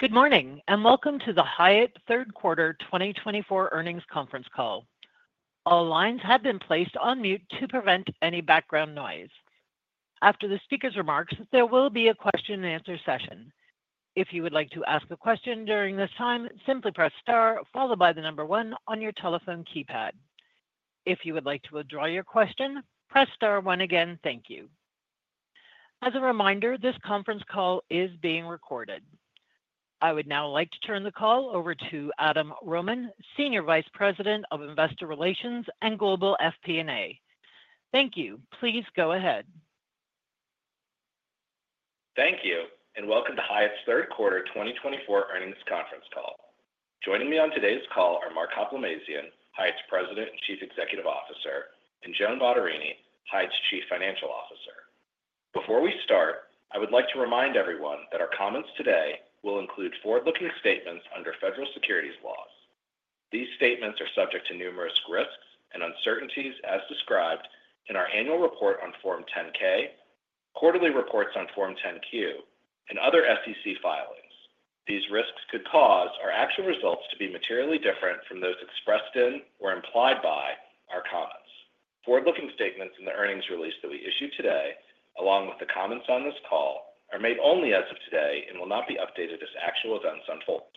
Good morning, and welcome to the Hyatt Third Quarter 2024 earnings conference call. All lines have been placed on mute to prevent any background noise. After the speaker's remarks, there will be a question-and-answer session. If you would like to ask a question during this time, simply press star followed by the number one on your telephone keypad. If you would like to withdraw your question, press star one again. Thank you. As a reminder, this conference call is being recorded. I would now like to turn the call over to Adam Rohman, Senior Vice President of Investor Relations and Global FP&A. Thank you. Please go ahead. Thank you, and welcome to Hyatt's Third Quarter 2024 earnings conference call. Joining me on today's call are Mark Hoplamazian, Hyatt's President and Chief Executive Officer, and Joan Bottarini, Hyatt's Chief Financial Officer. Before we start, I would like to remind everyone that our comments today will include forward-looking statements under federal securities laws. These statements are subject to numerous risks and uncertainties, as described in our annual report on Form 10-K, quarterly reports on Form 10-Q, and other SEC filings. These risks could cause our actual results to be materially different from those expressed in or implied by our comments. Forward-looking statements in the earnings release that we issue today, along with the comments on this call, are made only as of today and will not be updated as actual events unfold.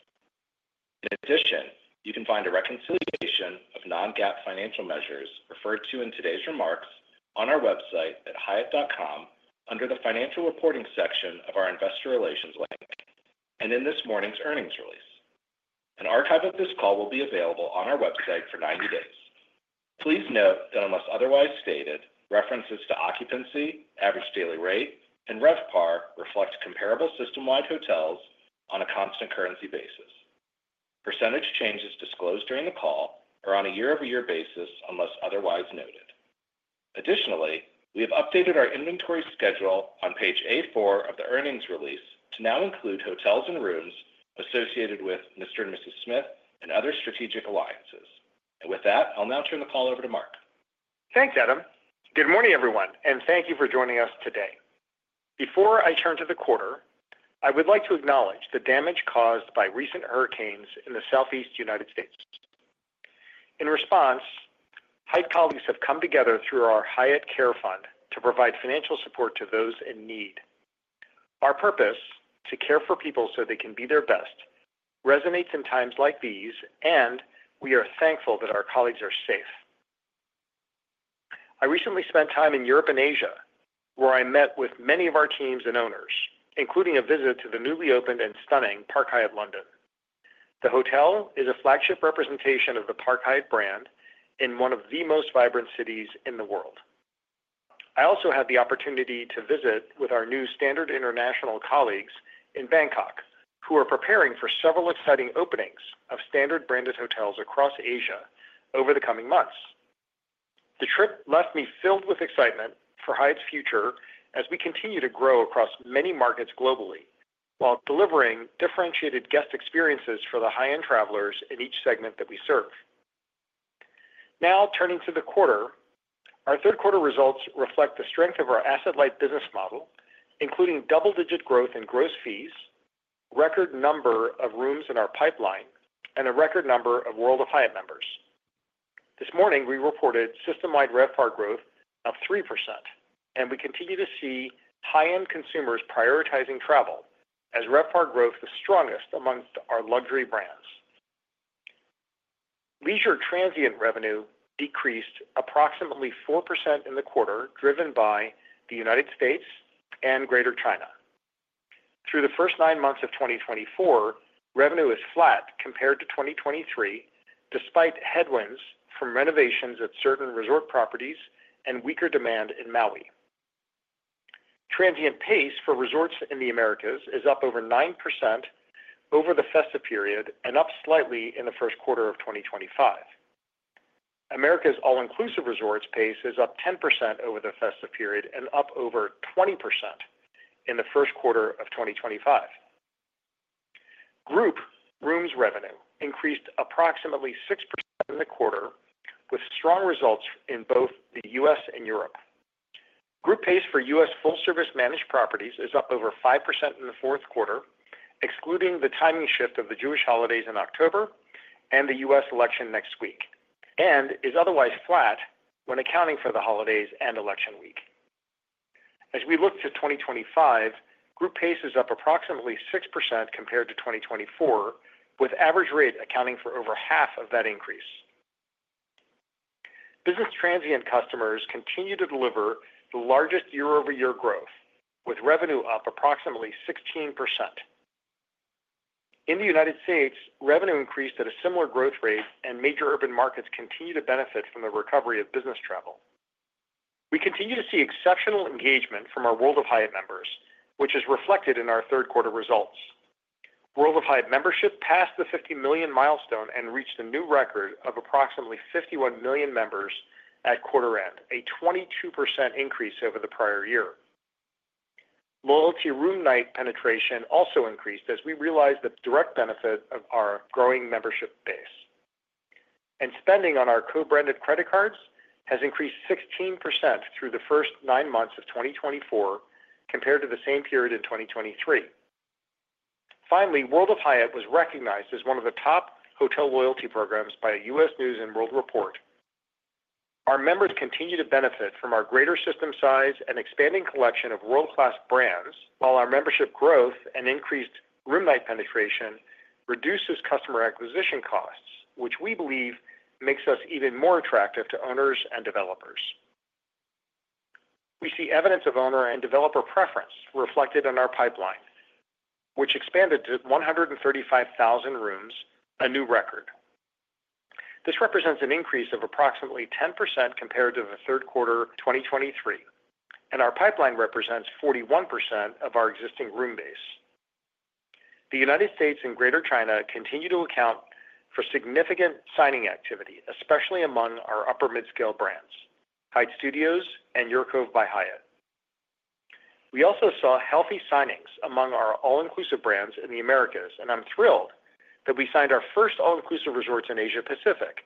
In addition, you can find a reconciliation of non-GAAP financial measures referred to in today's remarks on our website at hyatt.com under the Financial Reporting section of our Investor Relations link and in this morning's earnings release. An archive of this call will be available on our website for 90 days. Please note that unless otherwise stated, references to occupancy, average daily rate, and RevPAR reflect comparable system-wide hotels on a constant currency basis. Percentage changes disclosed during the call are on a year-over-year basis unless otherwise noted. Additionally, we have updated our inventory schedule on page A4 of the earnings release to now include hotels and rooms associated with Mr. and Mrs. Smith and other strategic alliances. And with that, I'll now turn the call over to Mark. Thanks, Adam. Good morning, everyone, and thank you for joining us today. Before I turn to the quarter, I would like to acknowledge the damage caused by recent hurricanes in the Southeast United States. In response, Hyatt colleagues have come together through our Hyatt Care Fund to provide financial support to those in need. Our purpose is to care for people so they can be their best. Resonates in times like these, and we are thankful that our colleagues are safe. I recently spent time in Europe and Asia, where I met with many of our teams and owners, including a visit to the newly opened and stunning Park Hyatt London. The hotel is a flagship representation of the Park Hyatt brand in one of the most vibrant cities in the world. I also had the opportunity to visit with our new Standard International colleagues in Bangkok, who are preparing for several exciting openings of Standard-branded hotels across Asia over the coming months. The trip left me filled with excitement for Hyatt's future as we continue to grow across many markets globally while delivering differentiated guest experiences for the high-end travelers in each segment that we serve. Now, turning to the quarter, our Q3 results reflect the strength of our asset-light business model, including double-digit growth in gross fees, a record number of rooms in our pipeline, and a record number of World of Hyatt members. This morning, we reported system-wide RevPAR growth of 3%, and we continue to see high-end consumers prioritizing travel as RevPAR growth is the strongest amongst our luxury brands. Leisure transient revenue decreased approximately 4% in the quarter, driven by the United States and Greater China. Through the first nine months of 2024, revenue is flat compared to 2023, despite headwinds from renovations at certain resort properties and weaker demand in Maui. Transient pace for resorts in the Americas is up over 9% over the festive period and up slightly in the Q1 of 2025. Americas' all-inclusive resorts pace is up 10% over the festive period and up over 20% in the Q1 of 2025. Group rooms revenue increased approximately 6% in the quarter, with strong results in both the U.S. and Europe. Group pace for U.S. full-service managed properties is up over 5% in the Q4, excluding the timing shift of the Jewish holidays in October and the U.S. election next week, and is otherwise flat when accounting for the holidays and election week. As we look to 2025, group pace is up approximately 6% compared to 2024, with average rate accounting for over half of that increase. Business transient customers continue to deliver the largest year-over-year growth, with revenue up approximately 16%. In the United States, revenue increased at a similar growth rate, and major urban markets continue to benefit from the recovery of business travel. We continue to see exceptional engagement from our World of Hyatt members, which is reflected in our Q3 results. World of Hyatt membership passed the 50 million milestone and reached a new record of approximately 51 million members at quarter end, a 22% increase over the prior year. Loyalty room night penetration also increased as we realized the direct benefit of our growing membership base. Spending on our co-branded credit cards has increased 16% through the first nine months of 2024 compared to the same period in 2023. Finally, World of Hyatt was recognized as one of the top hotel loyalty programs by U.S. News & World Report. Our members continue to benefit from our greater system size and expanding collection of world-class brands, while our membership growth and increased room night penetration reduces customer acquisition costs, which we believe makes us even more attractive to owners and developers. We see evidence of owner and developer preference reflected in our pipeline, which expanded to 135,000 rooms, a new record. This represents an increase of approximately 10% compared to the Q3 2023, and our pipeline represents 41% of our existing room base. The United States and Greater China continue to account for significant signing activity, especially among our upper-mid-scale brands, Hyatt Studios and UrCove by Hyatt. We also saw healthy signings among our all-inclusive brands in the Americas, and I'm thrilled that we signed our first all-inclusive resorts in Asia-Pacific,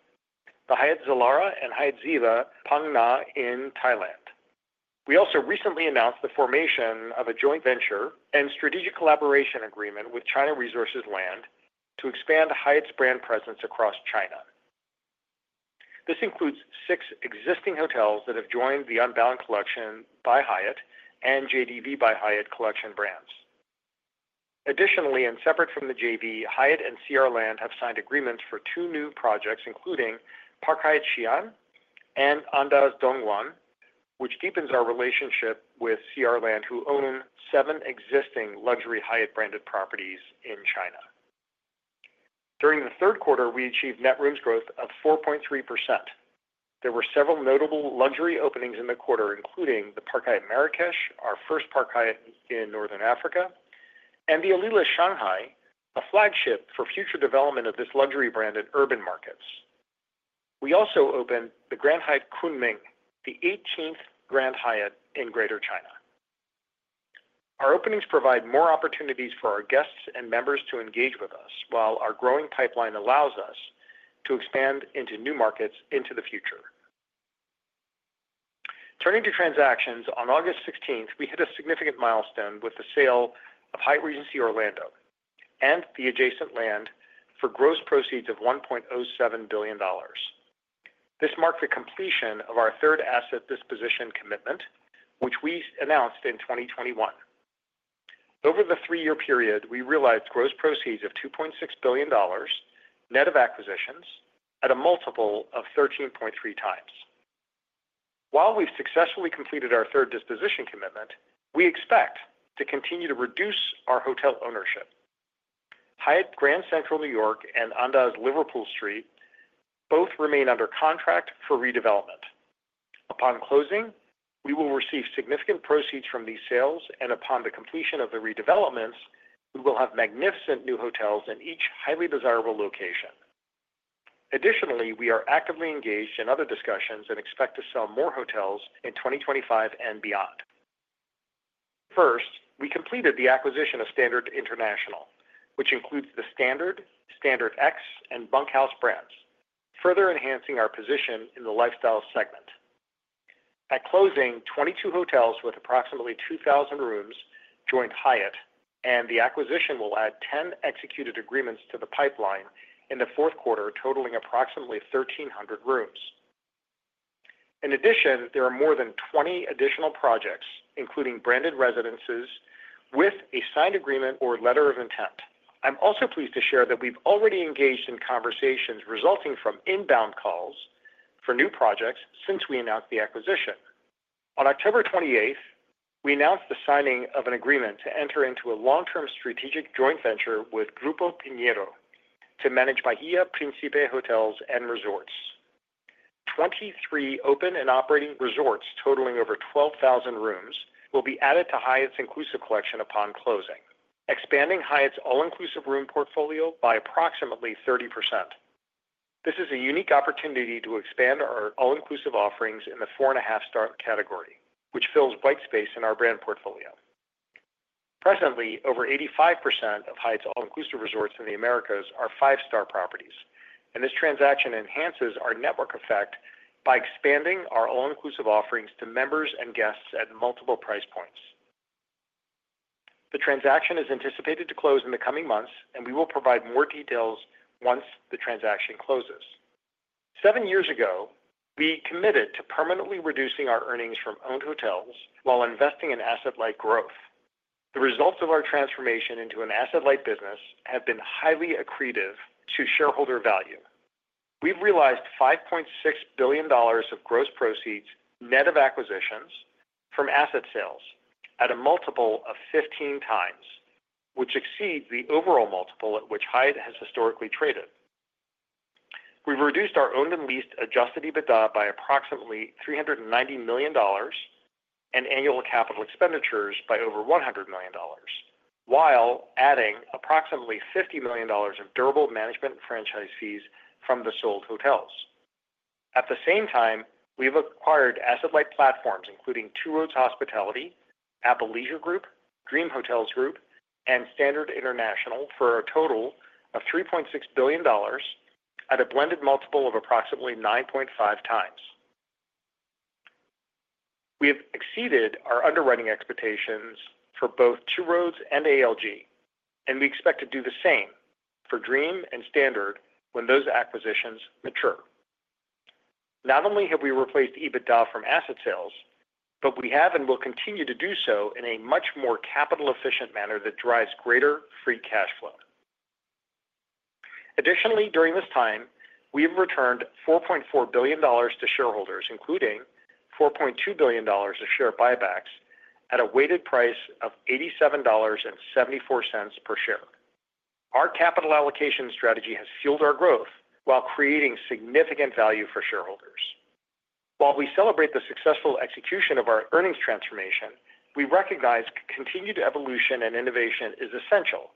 the Hyatt Zilara and Hyatt Ziva Phang Nga in Thailand. We also recently announced the formation of a joint venture and strategic collaboration agreement with China Resources Land to expand Hyatt's brand presence across China. This includes six existing hotels that have joined The Unbound Collection by Hyatt and JdV by Hyatt collection brands. Additionally, and separate from the JV, Hyatt and CR Land have signed agreements for two new projects, including Park Hyatt Xi'an and Andaz Dongguan, which deepens our relationship with CR Land, who own seven existing luxury Hyatt-branded properties in China. During the Q3, we achieved net rooms growth of 4.3%. There were several notable luxury openings in the quarter, including the Park Hyatt Marrakech, our first Park Hyatt in Northern Africa, and the Alila Shanghai, a flagship for future development of this luxury brand in urban markets. We also opened the Grand Hyatt Kunming, the 18th Grand Hyatt in Greater China. Our openings provide more opportunities for our guests and members to engage with us, while our growing pipeline allows us to expand into new markets into the future. Turning to transactions, on August 16th, we hit a significant milestone with the sale of Hyatt Regency Orlando and the adjacent land for gross proceeds of $1.07 billion. This marked the completion of our third asset disposition commitment, which we announced in 2021. Over the three-year period, we realized gross proceeds of $2.6 billion net of acquisitions at a multiple of 13.3 times. While we've successfully completed our third disposition commitment, we expect to continue to reduce our hotel ownership. Hyatt Grand Central New York and Andaz Liverpool Street both remain under contract for redevelopment. Upon closing, we will receive significant proceeds from these sales, and upon the completion of the redevelopments, we will have magnificent new hotels in each highly desirable location. Additionally, we are actively engaged in other discussions and expect to sell more hotels in 2025 and beyond. First, we completed the acquisition of Standard International, which includes the Standard, StandardX, and Bunkhouse brands, further enhancing our position in the lifestyle segment. At closing, 22 hotels with approximately 2,000 rooms joined Hyatt, and the acquisition will add 10 executed agreements to the pipeline in the Q4, totaling approximately 1,300 rooms. In addition, there are more than 20 additional projects, including branded residences, with a signed agreement or letter of intent. I'm also pleased to share that we've already engaged in conversations resulting from inbound calls for new projects since we announced the acquisition. On October 28th, we announced the signing of an agreement to enter into a long-term strategic joint venture with Grupo Piñeiro to manage Bahia Principe Hotels and Resorts. 23 open and operating resorts totaling over 12,000 rooms will be added to Hyatt's inclusive collection upon closing, expanding Hyatt's all-inclusive room portfolio by approximately 30%. This is a unique opportunity to expand our all-inclusive offerings in the four-and-a-half-star category, which fills white space in our brand portfolio. Presently, over 85% of Hyatt's all-inclusive resorts in the Americas are five-star properties, and this transaction enhances our network effect by expanding our all-inclusive offerings to members and guests at multiple price points. The transaction is anticipated to close in the coming months, and we will provide more details once the transaction closes. Seven years ago, we committed to permanently reducing our earnings from owned hotels while investing in asset-light growth. The results of our transformation into an asset-light business have been highly accretive to shareholder value. We've realized $5.6 billion of gross proceeds net of acquisitions from asset sales at a multiple of 15 times, which exceeds the overall multiple at which Hyatt has historically traded. We've reduced our owned and leased adjusted EBITDA by approximately $390 million and annual capital expenditures by over $100 million, while adding approximately $50 million of durable management and franchise fees from the sold hotels. At the same time, we've acquired asset-light platforms, including Two Roads Hospitality, Apple Leisure Group, Dream Hotel Group, and Standard International for a total of $3.6 billion at a blended multiple of approximately 9.5 times. We have exceeded our underwriting expectations for both Two Roads and ALG, and we expect to do the same for Dream and Standard when those acquisitions mature. Not only have we replaced EBITDA from asset sales, but we have and will continue to do so in a much more capital-efficient manner that drives greater free cash flow. Additionally, during this time, we have returned $4.4 billion to shareholders, including $4.2 billion of share buybacks at a weighted price of $87.74 per share. Our capital allocation strategy has fueled our growth while creating significant value for shareholders. While we celebrate the successful execution of our earnings transformation, we recognize continued evolution and innovation is essential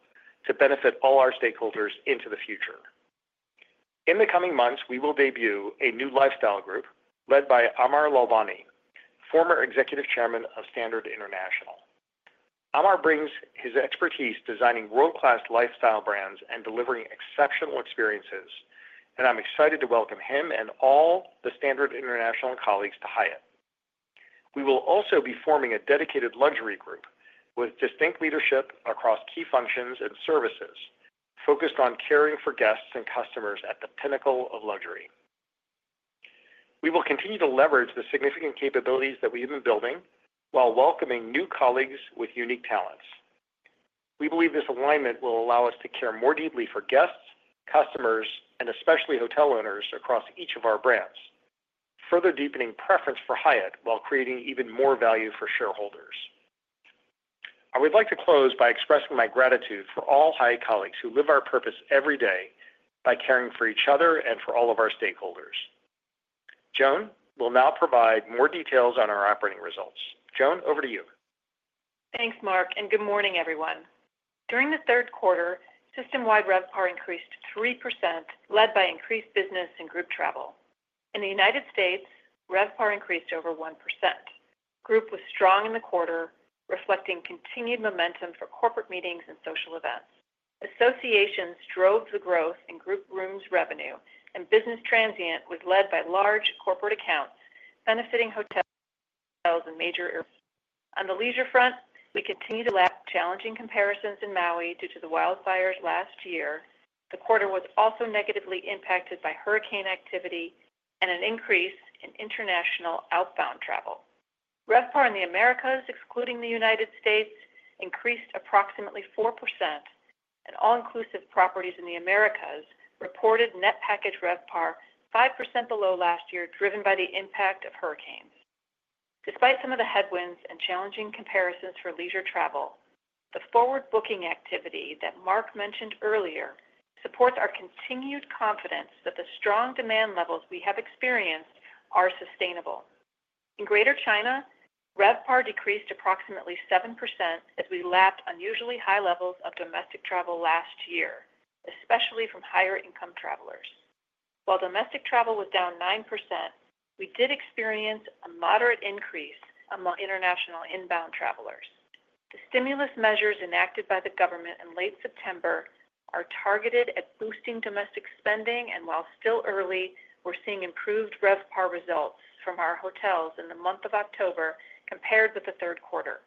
to benefit all our stakeholders into the future. In the coming months, we will debut a new lifestyle group led by Amar Lalvani, former executive chairman of Standard International. Amar brings his expertise designing world-class lifestyle brands and delivering exceptional experiences, and I'm excited to welcome him and all the Standard International colleagues to Hyatt. We will also be forming a dedicated luxury group with distinct leadership across key functions and services focused on caring for guests and customers at the pinnacle of luxury. We will continue to leverage the significant capabilities that we've been building while welcoming new colleagues with unique talents. We believe this alignment will allow us to care more deeply for guests, customers, and especially hotel owners across each of our brands, further deepening preference for Hyatt while creating even more value for shareholders. I would like to close by expressing my gratitude for all Hyatt colleagues who live our purpose every day by caring for each other and for all of our stakeholders. Joan will now provide more details on our operating results. Joan, over to you. Thanks, Mark, and good morning, everyone. During the Q3, system-wide RevPAR increased 3%, led by increased business and group travel. In the United States, RevPAR increased over 1%. Group was strong in the quarter, reflecting continued momentum for corporate meetings and social events. Associations drove the growth in group rooms revenue, and business transient was led by large corporate accounts benefiting hotels and major airports. On the leisure front, we continue to lack challenging comparisons in Maui due to the wildfires last year. The quarter was also negatively impacted by hurricane activity and an increase in international outbound travel. RevPAR in the Americas, excluding the United States, increased approximately 4%, and all-inclusive properties in the Americas reported Net Package RevPAR 5% below last year, driven by the impact of hurricanes. Despite some of the headwinds and challenging comparisons for leisure travel, the forward booking activity that Mark mentioned earlier supports our continued confidence that the strong demand levels we have experienced are sustainable. In Greater China, RevPAR decreased approximately 7% as we lapped unusually high levels of domestic travel last year, especially from higher-income travelers. While domestic travel was down 9%, we did experience a moderate increase among international inbound travelers. The stimulus measures enacted by the government in late September are targeted at boosting domestic spending, and while still early, we're seeing improved RevPAR results from our hotels in the month of October compared with the Q3.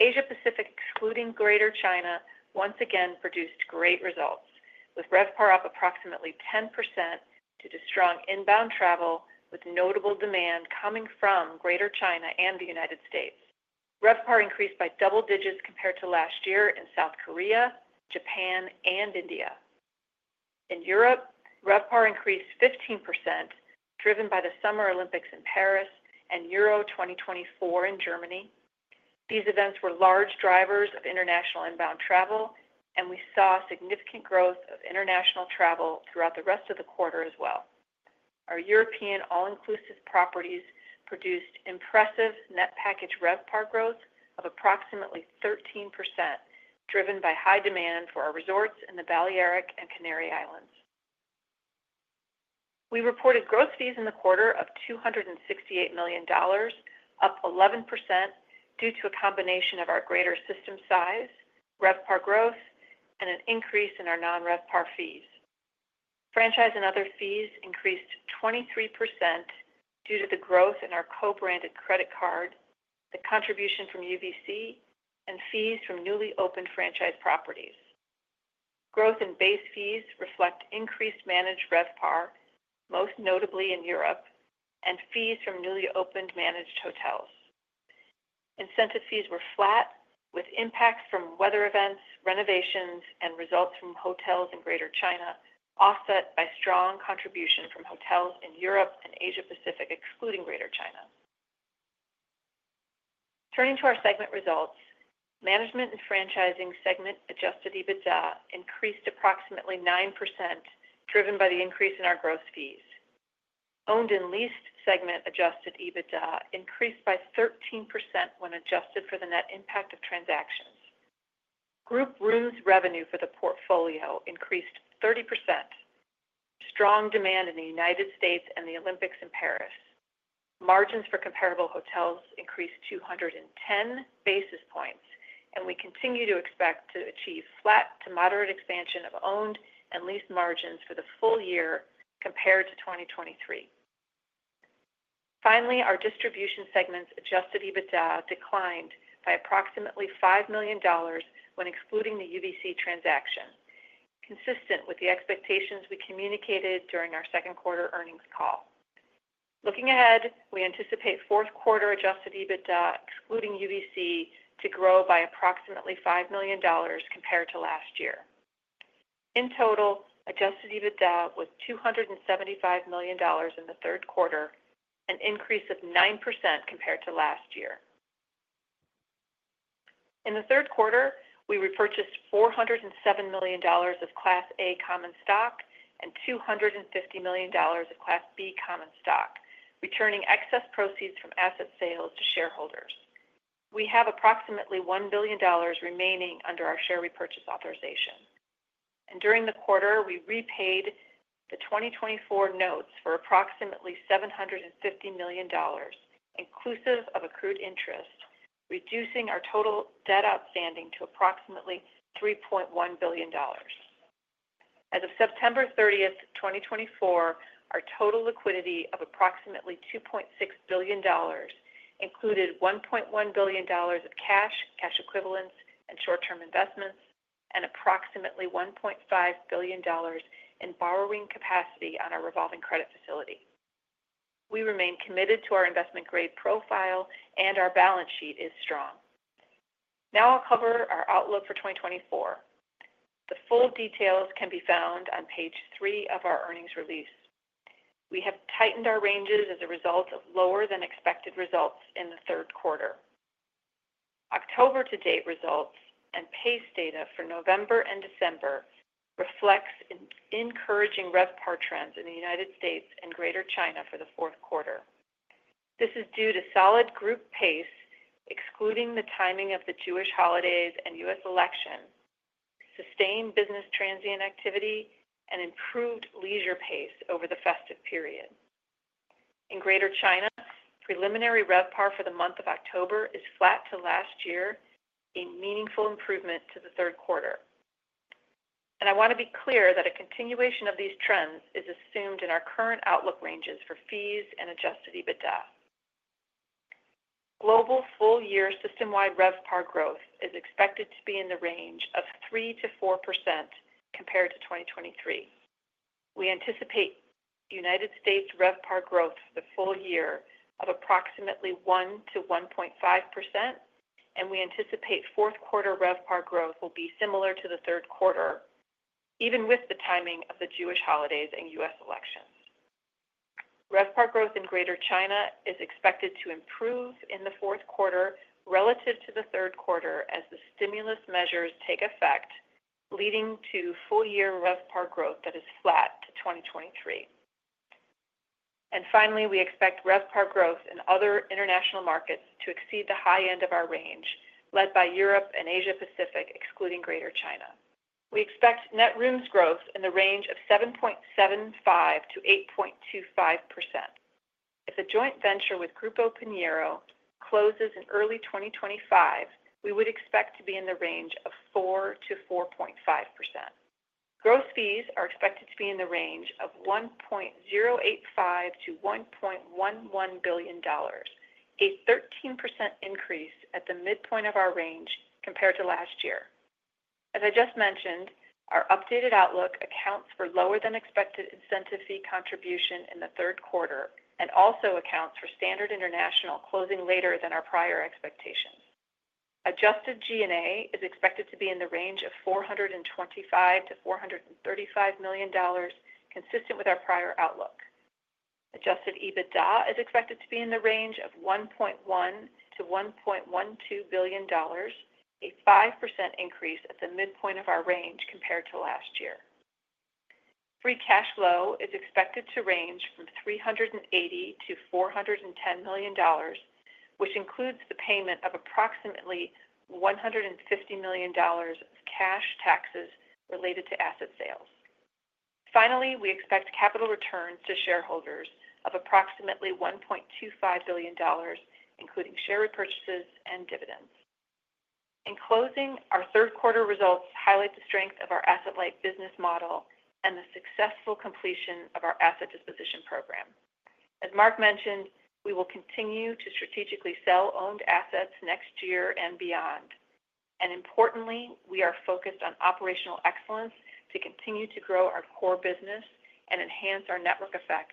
Asia-Pacific, excluding Greater China, once again produced great results, with RevPAR up approximately 10% due to strong inbound travel, with notable demand coming from Greater China and the United States. RevPAR increased by double digits compared to last year in South Korea, Japan, and India. In Europe, RevPAR increased 15%, driven by the Summer Olympics in Paris and Euro 2024 in Germany. These events were large drivers of international inbound travel, and we saw significant growth of international travel throughout the rest of the quarter as well. Our European all-inclusive properties produced impressive Net Package RevPAR growth of approximately 13%, driven by high demand for our resorts in the Balearic and Canary Islands. We reported gross fees in the quarter of $268 million, up 11% due to a combination of our greater system size, RevPAR growth, and an increase in our non-RevPAR fees. Franchise and other fees increased 23% due to the growth in our co-branded credit card, the contribution from UVC, and fees from newly opened franchise properties. Growth in base fees reflects increased Managed RevPAR, most notably in Europe, and fees from newly opened managed hotels. Incentive fees were flat, with impacts from weather events, renovations, and results from hotels in Greater China offset by strong contribution from hotels in Europe and Asia-Pacific, excluding Greater China. Turning to our segment results, management and franchising segment Adjusted EBITDA increased approximately 9%, driven by the increase in our gross fees. Owned and leased segment Adjusted EBITDA increased by 13% when adjusted for the net impact of transactions. Group rooms revenue for the portfolio increased 30%. Strong demand in the United States and the Olympics in Paris. Margins for comparable hotels increased 210 basis points, and we continue to expect to achieve flat to moderate expansion of owned and leased margins for the full year compared to 2023. Finally, our distribution segments Adjusted EBITDA declined by approximately $5 million when excluding the UVC transaction, consistent with the expectations we communicated during our Q2 earnings call. Looking ahead, we anticipate Q4 Adjusted EBITDA, excluding UVC, to grow by approximately $5 million compared to last year. In total, Adjusted EBITDA was $275 million in the Q3, an increase of 9% compared to last year. In the Q3, we repurchased $407 million of Class A common stock and $250 million of Class B common stock, returning excess proceeds from asset sales to shareholders. We have approximately $1 billion remaining under our share repurchase authorization, and during the quarter, we repaid the 2024 notes for approximately $750 million, inclusive of accrued interest, reducing our total debt outstanding to approximately $3.1 billion. As of September 30th, 2024, our total liquidity of approximately $2.6 billion included $1.1 billion of cash, cash equivalents, and short-term investments, and approximately $1.5 billion in borrowing capacity on our revolving credit facility. We remain committed to our investment-grade profile, and our balance sheet is strong. Now I'll cover our outlook for 2024. The full details can be found on page three of our earnings release. We have tightened our ranges as a result of lower-than-expected results in the Q3. October-to-date results and pace data for November and December reflect encouraging RevPAR trends in the United States and Greater China for the Q4. This is due to solid group pace, excluding the timing of the Jewish holidays and U.S. election, sustained business transient activity, and improved leisure pace over the festive period. In Greater China, preliminary RevPAR for the month of October is flat to last year, a meaningful improvement to the Q3. And I want to be clear that a continuation of these trends is assumed in our current outlook ranges for fees and Adjusted EBITDA. Global full-year system-wide RevPAR growth is expected to be in the range of 3%-4% compared to 2023. We anticipate United States RevPAR growth for the full year of approximately 1%-1.5%, and we anticipate Q4 RevPAR growth will be similar to the Q3, even with the timing of the Jewish holidays and U.S. elections. RevPAR growth in Greater China is expected to improve in the Q4 relative to the Q3 as the stimulus measures take effect, leading to full-year RevPAR growth that is flat to 2023. And finally, we expect RevPAR growth in other international markets to exceed the high end of our range, led by Europe and Asia-Pacific, excluding Greater China. We expect net rooms growth in the range of 7.75%-8.25%. If a joint venture with Grupo Piñeiro closes in early 2025, we would expect to be in the range of 4%-4.5%. Gross fees are expected to be in the range of $1.085-$1.11 billion, a 13% increase at the midpoint of our range compared to last year. As I just mentioned, our updated outlook accounts for lower-than-expected incentive fee contribution in the Q3 and also accounts for Standard International closing later than our prior expectations. Adjusted G&A is expected to be in the range of $425-$435 million, consistent with our prior outlook. Adjusted EBITDA is expected to be in the range of $1.1-$1.12 billion, a 5% increase at the midpoint of our range compared to last year. Free cash flow is expected to range from $380-$410 million, which includes the payment of approximately $150 million of cash taxes related to asset sales. Finally, we expect capital returns to shareholders of approximately $1.25 billion, including share repurchases and dividends. In closing, our Q3 results highlight the strength of our asset-light business model and the successful completion of our asset disposition program. As Mark mentioned, we will continue to strategically sell owned assets next year and beyond, and importantly, we are focused on operational excellence to continue to grow our core business and enhance our network effect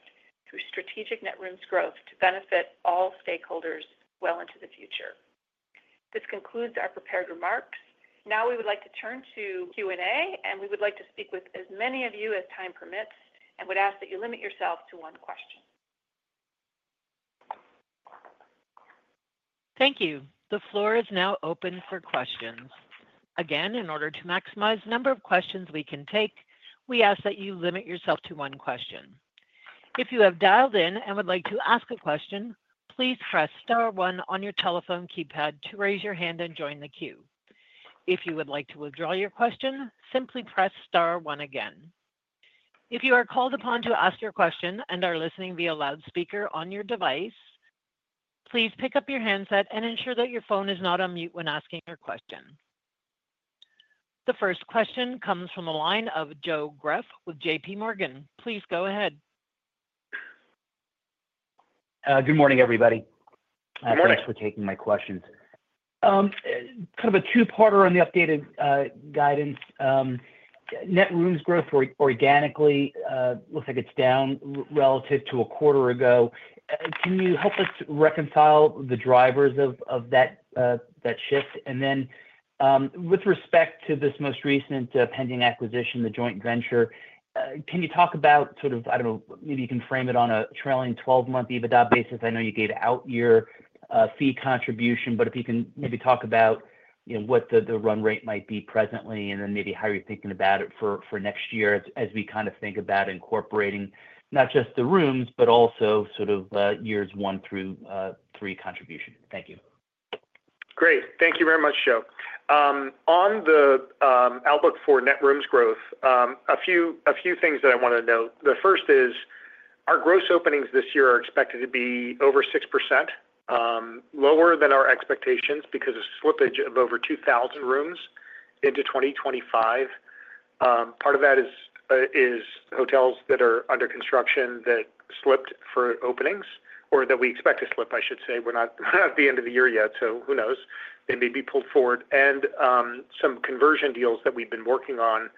through strategic net rooms growth to benefit all stakeholders well into the future. This concludes our prepared remarks. Now we would like to turn to Q&A, and we would like to speak with as many of you as time permits and would ask that you limit yourself to one question. Thank you. The floor is now open for questions. Again, in order to maximize the number of questions we can take, we ask that you limit yourself to one question. If you have dialed in and would like to ask a question, please press star one on your telephone keypad to raise your hand and join the queue. If you would like to withdraw your question, simply press star one again. If you are called upon to ask your question and are listening via loudspeaker on your device, please pick up your handset and ensure that your phone is not on mute when asking your question. The first question comes from a line of Joe Greff with J.P. Morgan. Please go ahead. Good morning, everybody. Thanks for taking my questions. Kind of a two-parter on the updated guidance. Net rooms growth organically looks like it's down relative to a quarter ago. Can you help us reconcile the drivers of that shift? And then with respect to this most recent pending acquisition, the joint venture, can you talk about sort of, I don't know, maybe you can frame it on a trailing 12-month EBITDA basis? I know you gave out your fee contribution, but if you can maybe talk about what the run rate might be presently and then maybe how you're thinking about it for next year as we kind of think about incorporating not just the rooms, but also sort of years one through three contribution. Thank you. Great. Thank you very much, Joe. On the outlook for net rooms growth, a few things that I want to note. The first is our gross openings this year are expected to be over 6%, lower than our expectations because of slippage of over 2,000 rooms into 2025. Part of that is hotels that are under construction that slipped for openings or that we expect to slip, I should say. We're not at the end of the year yet, so who knows? They may be pulled forward. And some conversion deals that we've been working on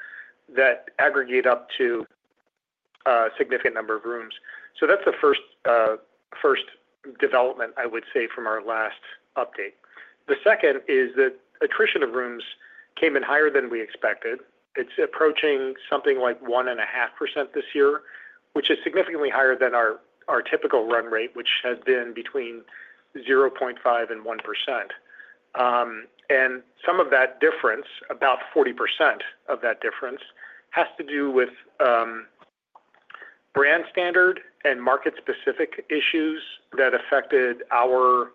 that aggregate up to a significant number of rooms. So that's the first development, I would say, from our last update. The second is that attrition of rooms came in higher than we expected. It's approaching something like 1.5% this year, which is significantly higher than our typical run rate, which has been between 0.5 and 1%. And some of that difference, about 40% of that difference, has to do with brand standard and market-specific issues that affected our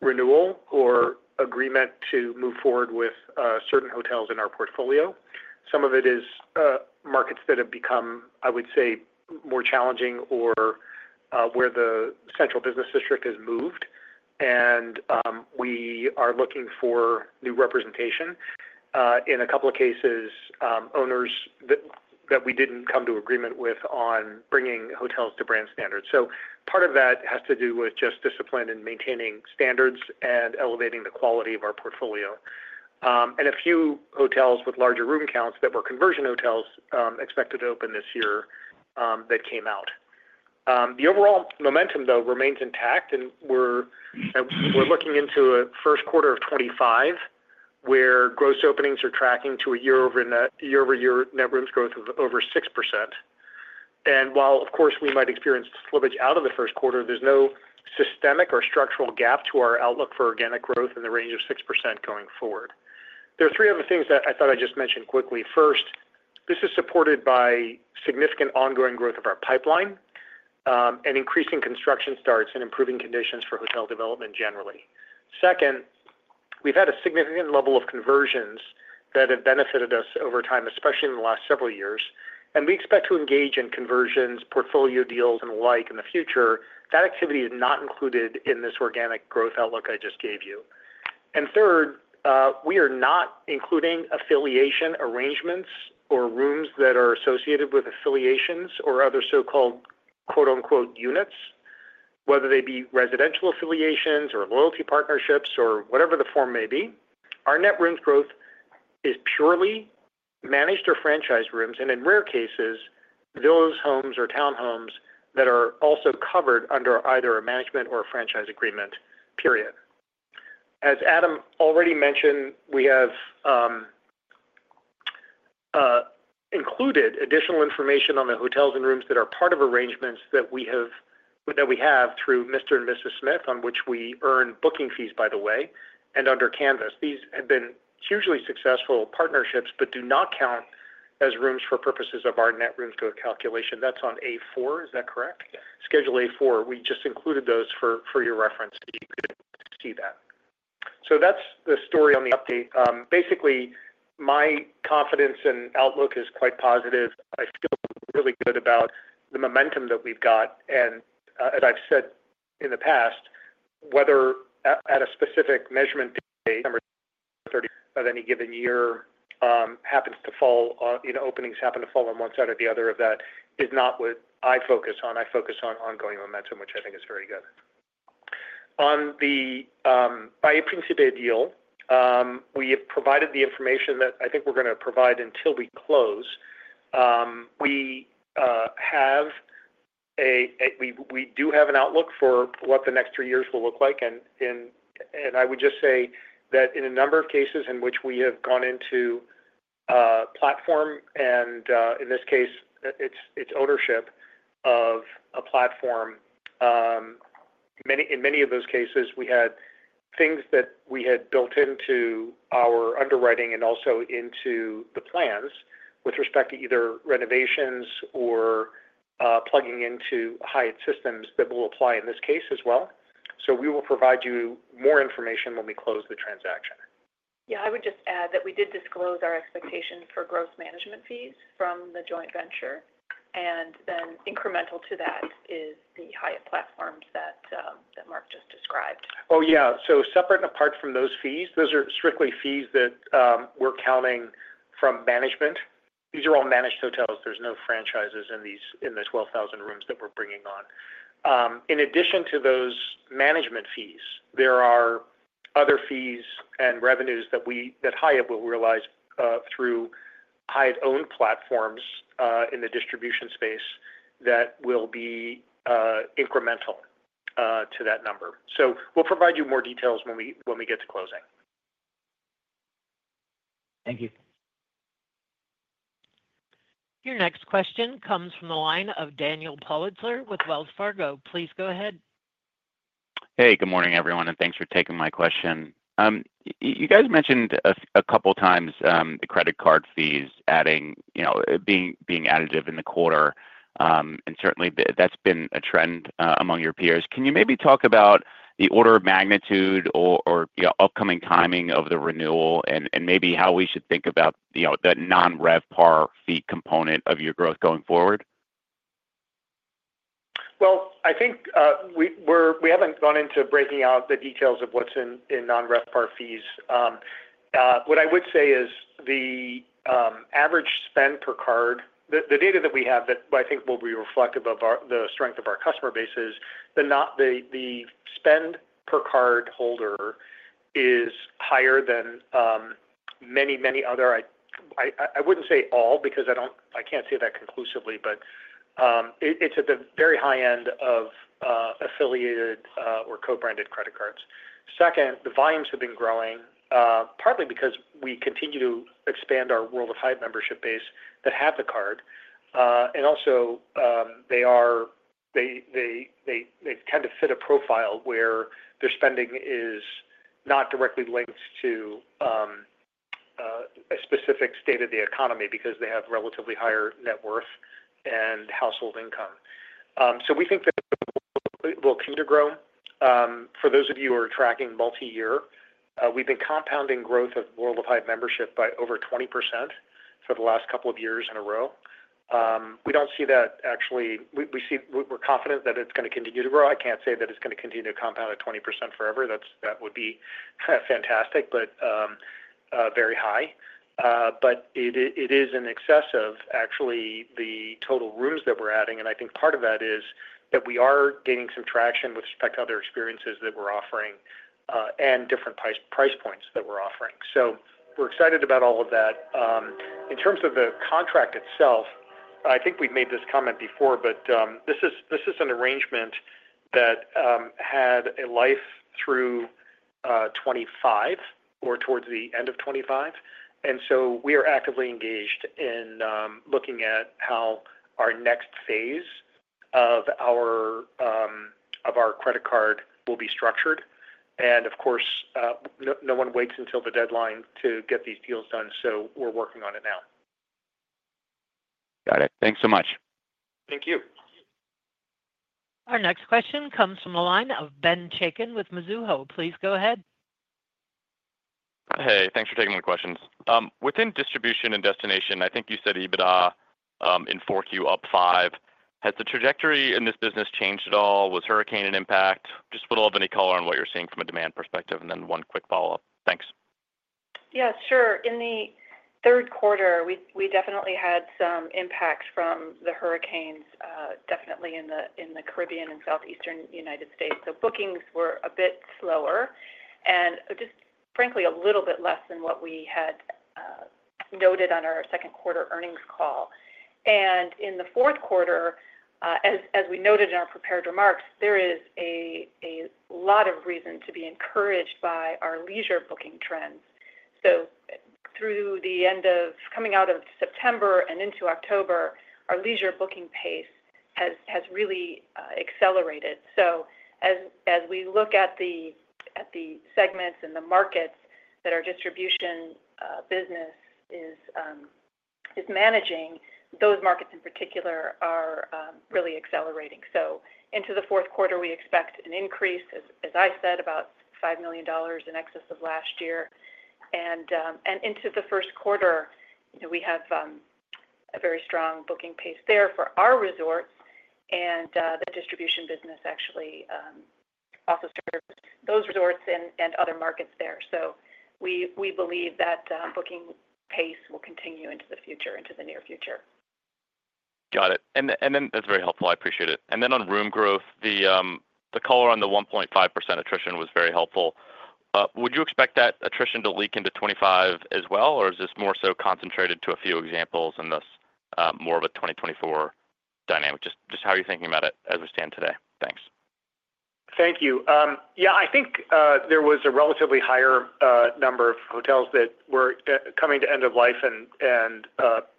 renewal or agreement to move forward with certain hotels in our portfolio. Some of it is markets that have become, I would say, more challenging or where the central business district has moved, and we are looking for new representation. In a couple of cases, owners that we didn't come to agreement with on bringing hotels to brand standard. So part of that has to do with just discipline in maintaining standards and elevating the quality of our portfolio. And a few hotels with larger room counts that were conversion hotels expected to open this year that came out. The overall momentum, though, remains intact, and we're looking into a Q1 of 2025 where gross openings are tracking to a year-over-year net rooms growth of over 6%. And while, of course, we might experience slippage out of the Q1, there's no systemic or structural gap to our outlook for organic growth in the range of 6% going forward. There are three other things that I thought I'd just mention quickly. First, this is supported by significant ongoing growth of our pipeline and increasing construction starts and improving conditions for hotel development generally. Second, we've had a significant level of conversions that have benefited us over time, especially in the last several years, and we expect to engage in conversions, portfolio deals, and the like in the future. That activity is not included in this organic growth outlook I just gave you. And third, we are not including affiliation arrangements or rooms that are associated with affiliations or other so-called "units," whether they be residential affiliations or loyalty partnerships or whatever the form may be. Our net rooms growth is purely managed or franchised rooms, and in rare cases, those homes or townhomes that are also covered under either a management or a franchise agreement, period. As Adam already mentioned, we have included additional information on the hotels and rooms that are part of arrangements that we have through Mr. and Mrs. Smith, on which we earn booking fees, by the way, and Under Canvas. These have been hugely successful partnerships but do not count as rooms for purposes of our net rooms growth calculation. That's on A4. Is that correct? Schedule A4. We just included those for your reference so you could see that, so that's the story on the update. Basically, my confidence and outlook is quite positive. I feel really good about the momentum that we've got, and as I've said in the past, whether at a specific measurement date of any given year happens to fall, openings happen to fall on one side or the other of that is not what I focus on. I focus on ongoing momentum, which I think is very good. Bahia Principe deal, we have provided the information that I think we're going to provide until we close. We do have an outlook for what the next three years will look like, and I would just say that in a number of cases in which we have gone into platform, and in this case, it's ownership of a platform. In many of those cases, we had things that we had built into our underwriting and also into the plans with respect to either renovations or plugging into Hyatt systems that will apply in this case as well. So we will provide you more information when we close the transaction. Yeah. I would just add that we did disclose our expectations for gross management fees from the joint venture, and then incremental to that is the Hyatt platforms that Mark just described. Oh, yeah. So separate and apart from those fees, those are strictly fees that we're counting from management. These are all managed hotels. There's no franchises in the 12,000 rooms that we're bringing on. In addition to those management fees, there are other fees and revenues that Hyatt will realize through Hyatt-owned platforms in the distribution space that will be incremental to that number. So we'll provide you more details when we get to closing. Thank you. Your next question comes from the line of Daniel Politzer with Wells Fargo. Please go ahead. Hey, good morning, everyone, and thanks for taking my question. You guys mentioned a couple of times the credit card fees being additive in the quarter, and certainly, that's been a trend among your peers. Can you maybe talk about the order of magnitude or upcoming timing of the renewal and maybe how we should think about the non-RevPAR fee component of your growth going forward? I think we haven't gone into breaking out the details of what's in non-RevPAR fees. What I would say is the average spend per card, the data that we have that I think will be reflective of the strength of our customer bases, the spend per card holder is higher than many, many other. I wouldn't say all because I can't say that conclusively, but it's at the very high end of affiliated or co-branded credit cards. Second, the volumes have been growing, partly because we continue to expand our World of Hyatt membership base that have the card. And also, they tend to fit a profile where their spending is not directly linked to a specific state of the economy because they have relatively higher net worth and household income. We think that we'll continue to grow. For those of you who are tracking multi-year, we've been compounding growth of World of Hyatt membership by over 20% for the last couple of years in a row. We don't see that. Actually we're confident that it's going to continue to grow. I can't say that it's going to continue to compound at 20% forever. That would be fantastic, but very high. But it is in excess of actually the total rooms that we're adding, and I think part of that is that we are gaining some traction with respect to other experiences that we're offering and different price points that we're offering. So we're excited about all of that. In terms of the contract itself, I think we've made this comment before, but this is an arrangement that had a life through 2025 or towards the end of 2025. And so we are actively engaged in looking at how our next phase of our credit card will be structured. And of course, no one waits until the deadline to get these deals done, so we're working on it now. Got it. Thanks so much. Thank you. Our next question comes from the line of Ben Chacon with Mizuho. Please go ahead. Hey. Thanks for taking my questions. Within distribution and destination, I think you said EBITDA in Q4 up 5%. Has the trajectory in this business changed at all? Was hurricane an impact? Just would love any color on what you're seeing from a demand perspective, and then one quick follow-up. Thanks. Yeah, sure. In the Q3, we definitely had some impacts from the hurricanes, definitely in the Caribbean and southeastern United States. So bookings were a bit slower and just, frankly, a little bit less than what we had noted on our Q2 earnings call. And in the Q4, as we noted in our prepared remarks, there is a lot of reason to be encouraged by our leisure booking trends. So through the end of coming out of September and into October, our leisure booking pace has really accelerated. So as we look at the segments and the markets that our distribution business is managing, those markets in particular are really accelerating. So into the Q4, we expect an increase, as I said, about $5 million in excess of last year. And into the Q1, we have a very strong booking pace there for our resorts, and the distribution business actually also serves those resorts and other markets there. So we believe that booking pace will continue into the future, into the near future. Got it. And then that's very helpful. I appreciate it. And then on room growth, the color on the 1.5% attrition was very helpful. Would you expect that attrition to leak into 2025 as well, or is this more so concentrated to a few examples and thus more of a 2024 dynamic? Just how are you thinking about it as we stand today? Thanks. Thank you. Yeah, I think there was a relatively higher number of hotels that were coming to end of life and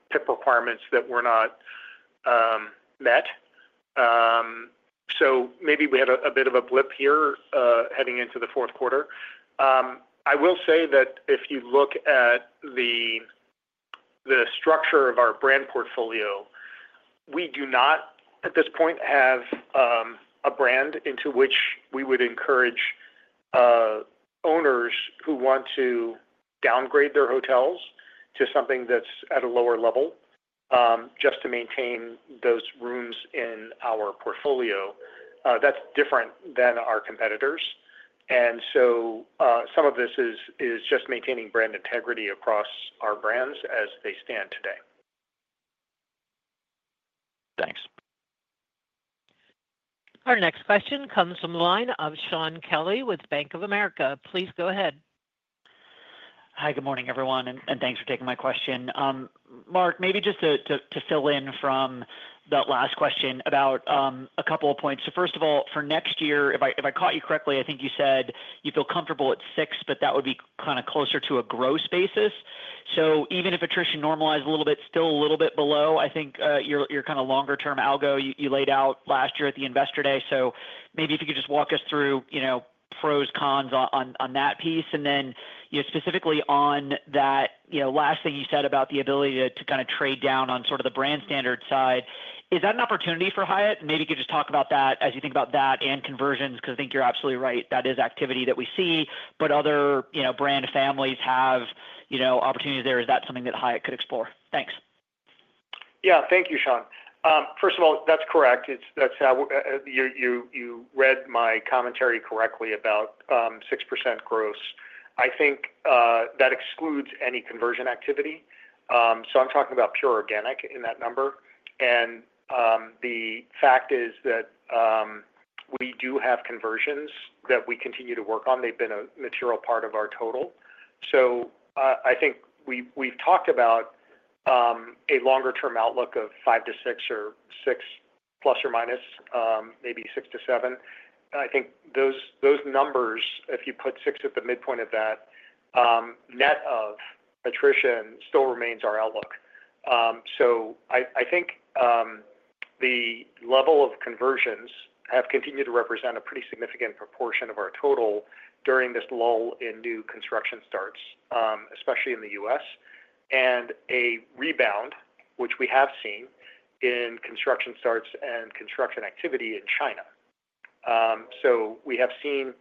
PIP requirements that were not met. So maybe we had a bit of a blip here heading into the Q4. I will say that if you look at the structure of our brand portfolio, we do not at this point have a brand into which we would encourage owners who want to downgrade their hotels to something that's at a lower level just to maintain those rooms in our portfolio. That's different than our competitors. And so some of this is just maintaining brand integrity across our brands as they stand today. Thanks. Our next question comes from the line of Shaun Kelley with Bank of America. Please go ahead. Hi, good morning, everyone, and thanks for taking my question. Mark, maybe just to fill in from that last question about a couple of points. So first of all, for next year, if I caught you correctly, I think you said you feel comfortable at six, but that would be kind of closer to a gross basis. So even if attrition normalized a little bit, still a little bit below, I think, your kind of longer-term algo you laid out last year at the investor day. So maybe if you could just walk us through pros and cons on that piece, and then specifically on that last thing you said about the ability to kind of trade down on sort of the brand standard side, is that an opportunity for Hyatt? Maybe you could just talk about that as you think about that and conversions because I think you're absolutely right. That is activity that we see, but other brand families have opportunities there. Is that something that Hyatt could explore? Thanks. Yeah. Thank you, Shaun. First of all, that's correct. You read my commentary correctly about 6% gross. I think that excludes any conversion activity. So I'm talking about pure organic in that number. And the fact is that we do have conversions that we continue to work on. They've been a material part of our total. So I think we've talked about a longer-term outlook of five to six or six plus or minus, maybe six to seven. I think those numbers, if you put six at the midpoint of that, net of attrition still remains our outlook. I think the level of conversions have continued to represent a pretty significant proportion of our total during this lull in new construction starts, especially in the U.S., and a rebound, which we have seen in construction starts and construction activity in China. We have seen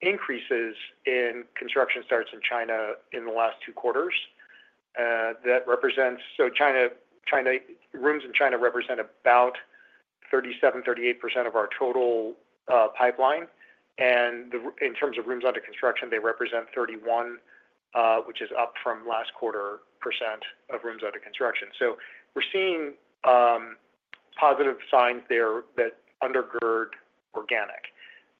increases in construction starts in China in the last two quarters. That represents, so rooms in China represent about 37-38% of our total pipeline. In terms of rooms under construction, they represent 31%, which is up from last quarter percent of rooms under construction. We're seeing positive signs there that undergird organic.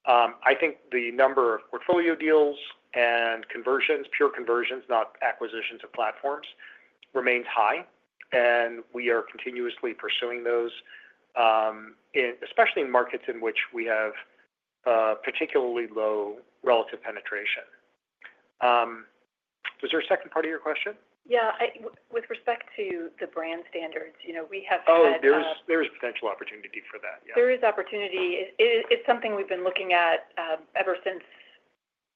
I think the number of portfolio deals and conversions, pure conversions, not acquisitions of platforms, remains high, and we are continuously pursuing those, especially in markets in which we have particularly low relative penetration. Was there a second part of your question? Yeah. With respect to the brand standards. Oh, there is potential opportunity for that, yeah. There is opportunity. It's something we've been looking at ever since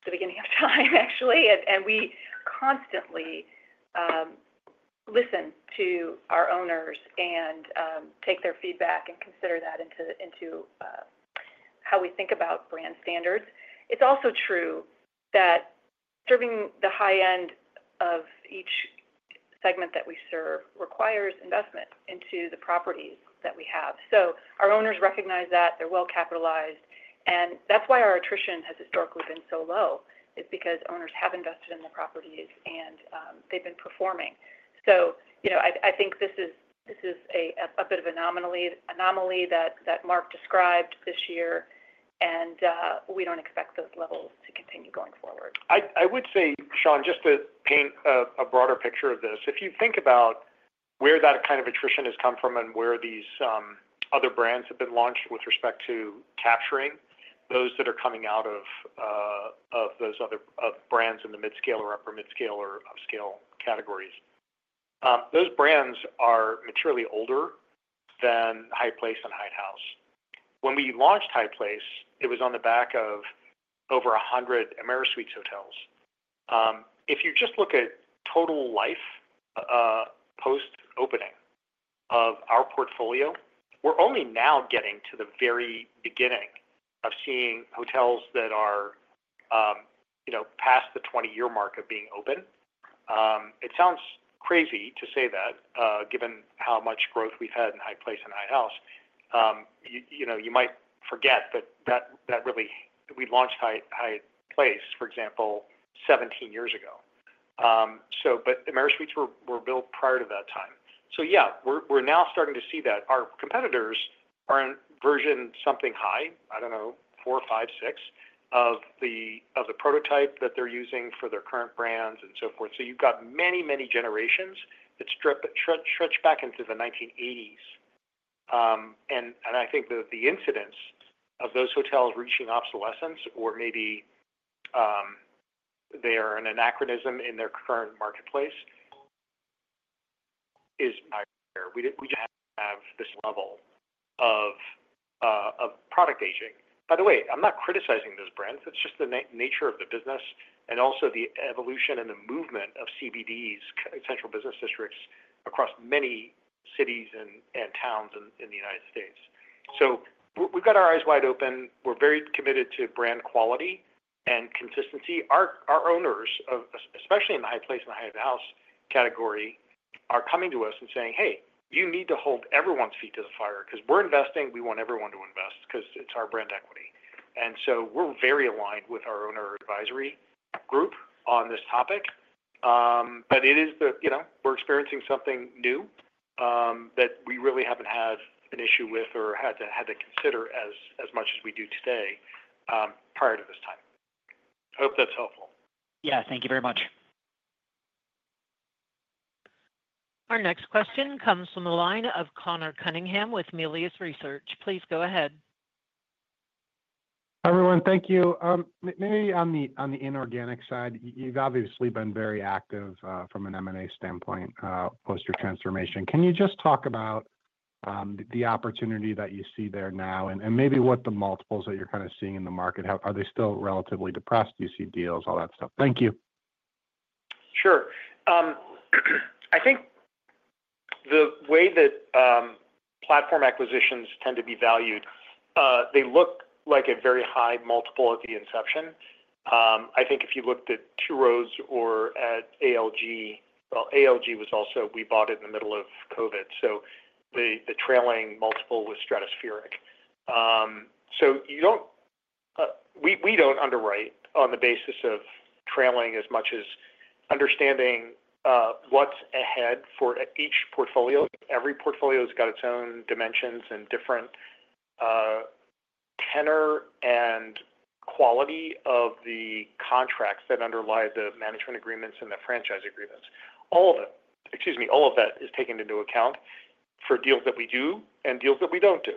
the beginning of time, actually, and we constantly listen to our owners and take their feedback and consider that into how we think about brand standards. It's also true that serving the high end of each segment that we serve requires investment into the properties that we have. Our owners recognize that they're well capitalized, and that's why our attrition has historically been so low, is because owners have invested in the properties and they've been performing. I think this is a bit of an anomaly that Mark described this year, and we don't expect those levels to continue going forward. I would say, Sean, just to paint a broader picture of this, if you think about where that kind of attrition has come from and where these other brands have been launched with respect to capturing those that are coming out of those other brands in the mid-scale or upper mid-scale or upscale categories, those brands are materially older than Hyatt Place and Hyatt House. When we launched Hyatt Place, it was on the back of over 100 AmeriSuites hotels. If you just look at total life post-opening of our portfolio, we're only now getting to the very beginning of seeing hotels that are past the 20-year mark of being open. It sounds crazy to say that, given how much growth we've had in Hyatt Place and Hyatt House. You might forget that we launched Hyatt Place, for example, 17 years ago. Embassy Suites were built prior to that time. Yeah, we're now starting to see that. Our competitors are in version something high, I don't know, four, five, six of the prototype that they're using for their current brands and so forth. You've got many, many generations that stretch back into the 1980s. I think the incidence of those hotels reaching obsolescence, or maybe they are an anachronism in their current marketplace, is higher there. We don't have this level of product aging. By the way, I'm not criticizing those brands. It's just the nature of the business and also the evolution and the movement of CBDs, central business districts, across many cities and towns in the United States. We've got our eyes wide open. We're very committed to brand quality and consistency. Our owners, especially in the Hyatt Place and the Hyatt House category, are coming to us and saying, "Hey, you need to hold everyone's feet to the fire because we're investing. We want everyone to invest because it's our brand equity." And so we're very aligned with our owner advisory group on this topic. But it is that we're experiencing something new that we really haven't had an issue with or had to consider as much as we do today prior to this time. I hope that's helpful. Yeah. Thank you very much. Our next question comes from the line of Conor Cunningham with Melius Research. Please go ahead. Hi, everyone. Thank you. Maybe on the inorganic side, you've obviously been very active from an M&A standpoint post your transformation. Can you just talk about the opportunity that you see there now and maybe what the multiples that you're kind of seeing in the market? Are they still relatively depressed? Do you see deals, all that stuff? Thank you. Sure. I think the way that platform acquisitions tend to be valued, they look like a very high multiple at the inception. I think if you looked at Two Roads or at ALG, well, ALG was also. We bought it in the middle of COVID. So the trailing multiple was stratospheric. So we don't underwrite on the basis of trailing as much as understanding what's ahead for each portfolio. Every portfolio has got its own dimensions and different tenor and quality of the contracts that underlie the management agreements and the franchise agreements. All of it, excuse me, all of that is taken into account for deals that we do and deals that we don't do.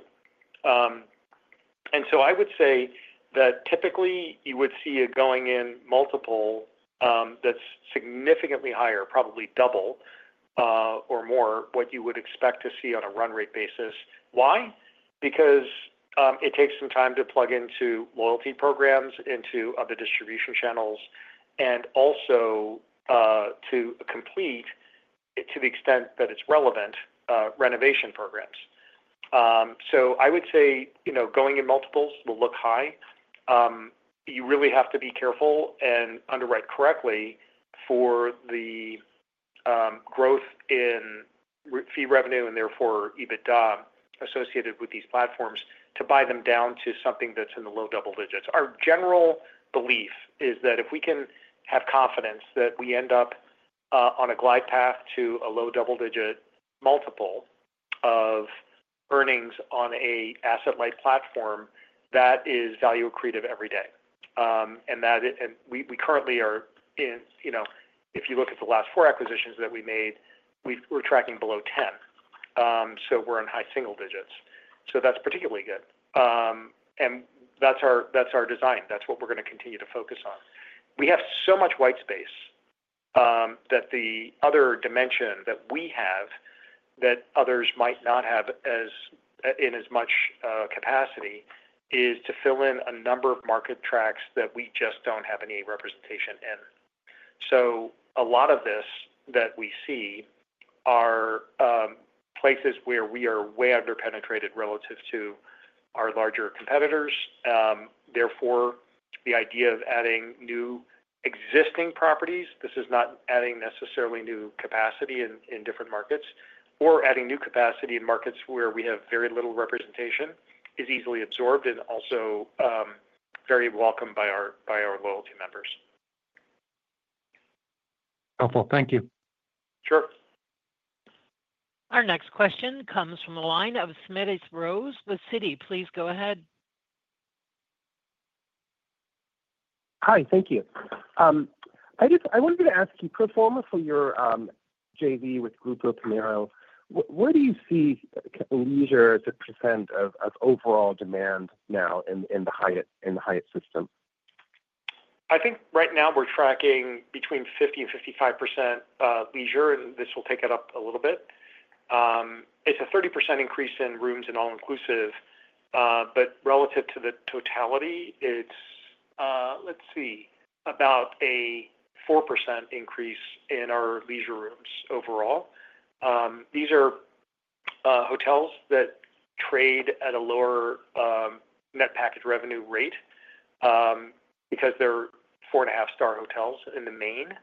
And so I would say that typically you would see a going-in multiple that's significantly higher, probably double or more what you would expect to see on a run rate basis. Why? Because it takes some time to plug into loyalty programs, into other distribution channels, and also to complete, to the extent that it's relevant, renovation programs. So I would say going-in multiples will look high. You really have to be careful and underwrite correctly for the growth in fee revenue and therefore EBITDA associated with these platforms to buy them down to something that's in the low double digits. Our general belief is that if we can have confidence that we end up on a glide path to a low double-digit multiple of earnings on an asset-light platform, that is value accretive every day, and we currently are in, if you look at the last four acquisitions that we made, we're tracking below 10, so we're in high single-digits. So that's particularly good, and that's our design. That's what we're going to continue to focus on. We have so much white space that the other dimension that we have that others might not have in as much capacity is to fill in a number of market tracks that we just don't have any representation in. So a lot of this that we see are places where we are way underpenetrated relative to our larger competitors. Therefore, the idea of adding new existing properties - this is not adding necessarily new capacity in different markets - or adding new capacity in markets where we have very little representation is easily absorbed and also very welcome by our loyalty members. Helpful. Thank you. Sure. Our next question comes from the line of Smedes Rose with Citi. Please go ahead. Hi. Thank you. I wanted to ask you for more on your JV with Grupo Piñeiro. Where do you see leisure as a percent of overall demand now in the Hyatt system? I think right now we're tracking between 50%-55% leisure, and this will take it up a little bit. It's a 30% increase in rooms and all-inclusive, but relative to the totality, it's, let's see, about a 4% increase in our leisure rooms overall. These are hotels that trade at a lower net package revenue rate because they're four-and-a-half-star hotels in the main,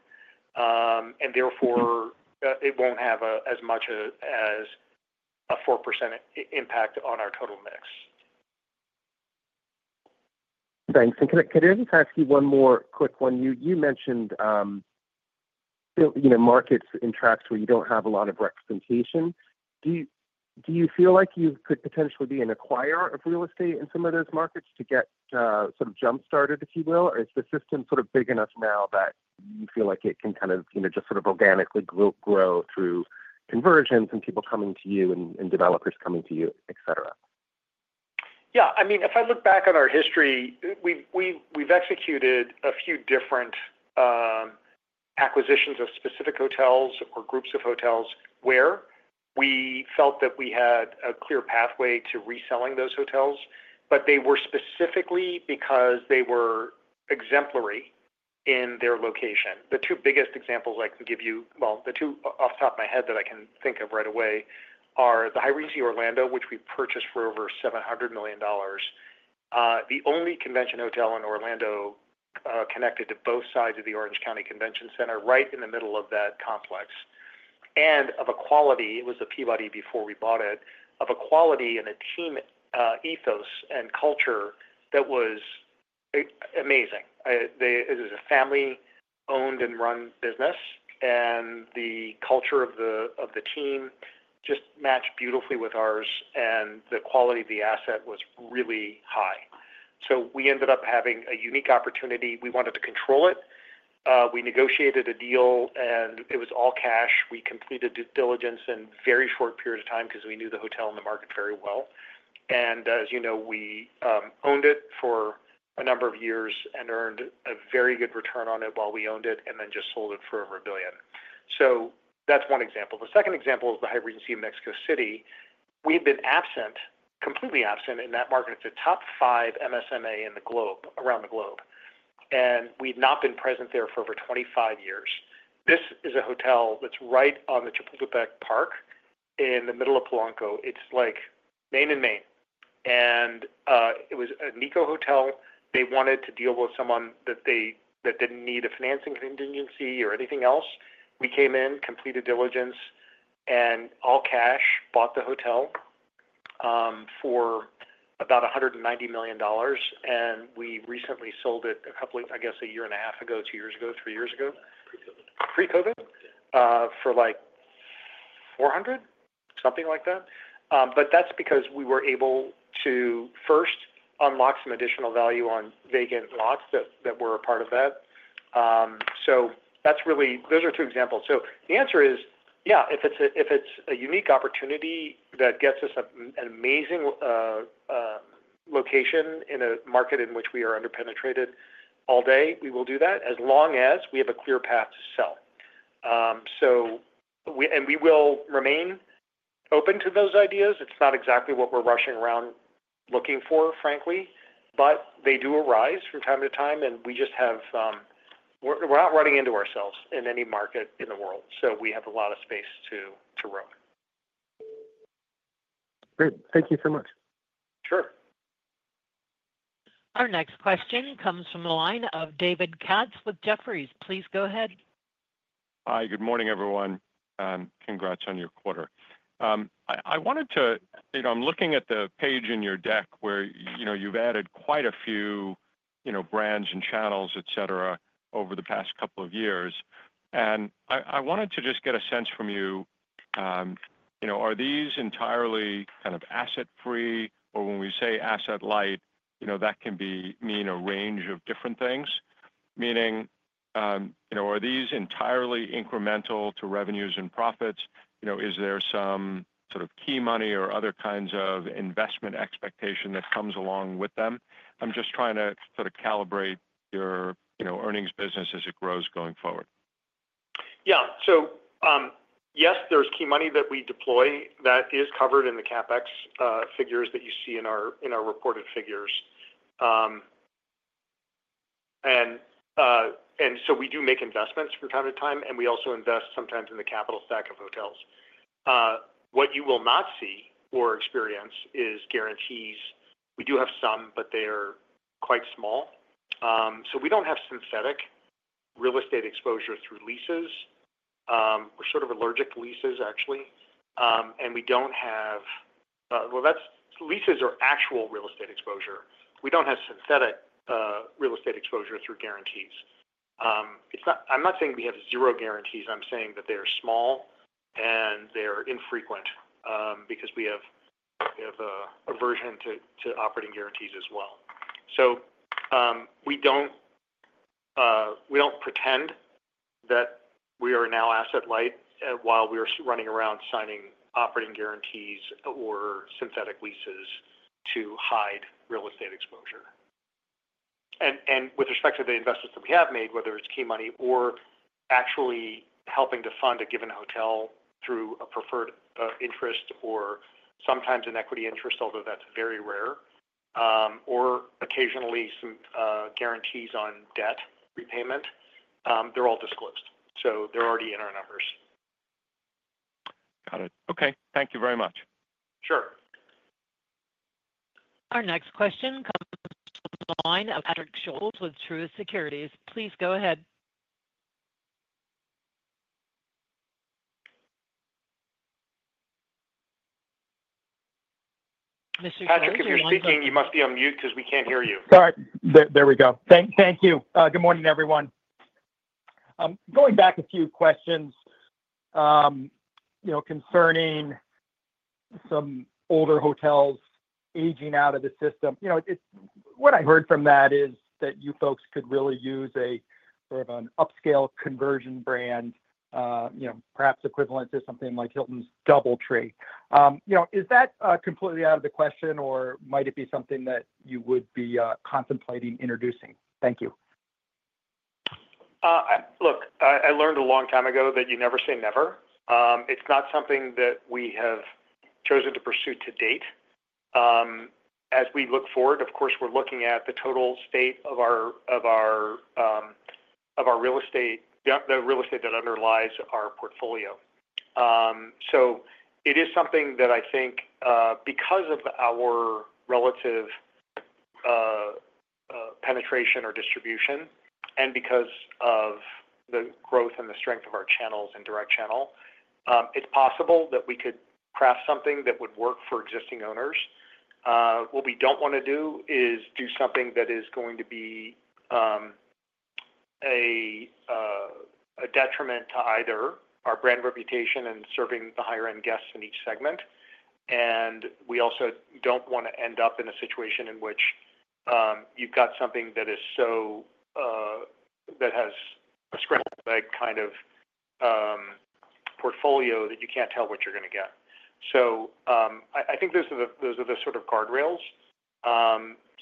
and therefore it won't have as much as a 4% impact on our total mix. Thanks, and can I just ask you one more quick one? You mentioned markets in tracks where you don't have a lot of representation. Do you feel like you could potentially be an acquirer of real estate in some of those markets to get sort of jump-started, if you will? Or is the system sort of big enough now that you feel like it can kind of just sort of organically grow through conversions and people coming to you and developers coming to you, etc.? Yeah. I mean, if I look back on our history, we've executed a few different acquisitions of specific hotels or groups of hotels where we felt that we had a clear pathway to reselling those hotels, but they were specifically because they were exemplary in their location. The two biggest examples I can give you, well, the two off the top of my head that I can think of right away are the Hyatt Regency Orlando, which we purchased for over $700 million. The only convention hotel in Orlando connected to both sides of the Orange County Convention Center right in the middle of that complex. And of a quality, it was a Peabody before we bought it, of a quality and a team ethos and culture that was amazing. It is a family-owned and run business, and the culture of the team just matched beautifully with ours, and the quality of the asset was really high. So we ended up having a unique opportunity. We wanted to control it. We negotiated a deal, and it was all cash. We completed due diligence in a very short period of time because we knew the hotel and the market very well. And as you know, we owned it for a number of years and earned a very good return on it while we owned it and then just sold it for over $1 billion. So that's one example. The second example is the Hyatt Regency Mexico City. We've been absent, completely absent in that market. It's a top five MSA around the globe. And we've not been present there for over 25 years. This is a hotel that's right on the Chapultepec Park in the middle of Polanco. It's like Main and Main. And it was a Nikko Hotel. They wanted to deal with someone that didn't need a financing contingency or anything else. We came in, completed diligence, and all cash bought the hotel for about $190 million. And we recently sold it a couple of, I guess, a year and a half ago, two years ago, three years ago. Pre-COVID. Pre-COVID for like $400, something like that. But that's because we were able to first unlock some additional value on vacant lots that were a part of that. So those are two examples. So the answer is, yeah, if it's a unique opportunity that gets us an amazing location in a market in which we are underpenetrated all day, we will do that as long as we have a clear path to sell. And we will remain open to those ideas. It's not exactly what we're rushing around looking for, frankly, but they do arise from time to time, and we just have, we're not running into ourselves in any market in the world. So we have a lot of space to grow. Great. Thank you so much. Sure. Our next question comes from the line of David Katz with Jefferies. Please go ahead. Hi. Good morning, everyone. Congrats on your quarter. I wanted to, I'm looking at the page in your deck where you've added quite a few brands and channels, etc., over the past couple of years. And I wanted to just get a sense from you. Are these entirely kind of asset-free, or when we say asset-light, that can mean a range of different things? Meaning, are these entirely incremental to revenues and profits? Is there some sort of key money or other kinds of investment expectation that comes along with them? I'm just trying to sort of calibrate your earnings business as it grows going forward. Yeah. So yes, there's key money that we deploy that is covered in the CapEx figures that you see in our reported figures. And so we do make investments from time to time, and we also invest sometimes in the capital stack of hotels. What you will not see or experience is guarantees. We do have some, but they are quite small. So we don't have synthetic real estate exposure through leases. We're sort of allergic to leases, actually. And we don't have, well, leases are actual real estate exposure. We don't have synthetic real estate exposure through guarantees. I'm not saying we have zero guarantees. I'm saying that they are small and they are infrequent because we have an aversion to operating guarantees as well. So we don't pretend that we are now asset-light while we are running around signing operating guarantees or synthetic leases to hide real estate exposure. And with respect to the investments that we have made, whether it's key money or actually helping to fund a given hotel through a preferred interest or sometimes an equity interest, although that's very rare, or occasionally some guarantees on debt repayment, they're all disclosed. So they're already in our numbers. Got it. Okay. Thank you very much. Sure. Our next question comes from the line of Patrick Scholes with Truist Securities. Please go ahead. Mr. Patrick, if you're speaking, you must be on mute because we can't hear you. Sorry. There we go. Thank you. Good morning, everyone. Going back a few questions concerning some older hotels aging out of the system. What I heard from that is that you folks could really use a sort of an upscale conversion brand, perhaps equivalent to something like Hilton's DoubleTree. Is that completely out of the question, or might it be something that you would be contemplating introducing? Thank you. Look, I learned a long time ago that you never say never. It's not something that we have chosen to pursue to date. As we look forward, of course, we're looking at the total state of our real estate, the real estate that underlies our portfolio. So it is something that I think, because of our relative penetration or distribution and because of the growth and the strength of our channels and direct channel, it's possible that we could craft something that would work for existing owners. What we don't want to do is do something that is going to be a detriment to either our brand reputation and serving the higher-end guests in each segment. And we also don't want to end up in a situation in which you've got something that has a scrambled-egg kind of portfolio that you can't tell what you're going to get. So I think those are the sort of guardrails.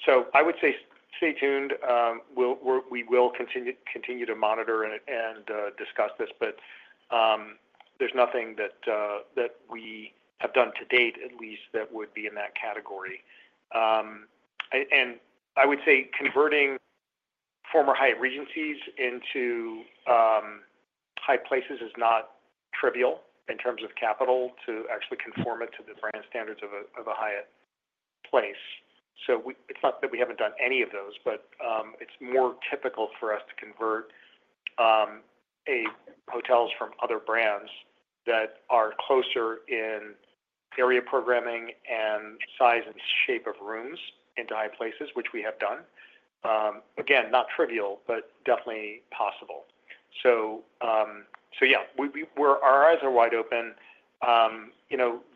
So I would say stay tuned. We will continue to monitor and discuss this, but there's nothing that we have done to date, at least, that would be in that category. I would say converting former Hyatt Regencies into Hyatt Places is not trivial in terms of capital to actually conform it to the brand standards of a Hyatt Place. So it's not that we haven't done any of those, but it's more typical for us to convert hotels from other brands that are closer in area programming and size and shape of rooms into Hyatt Places, which we have done. Again, not trivial, but definitely possible. So yeah, our eyes are wide open.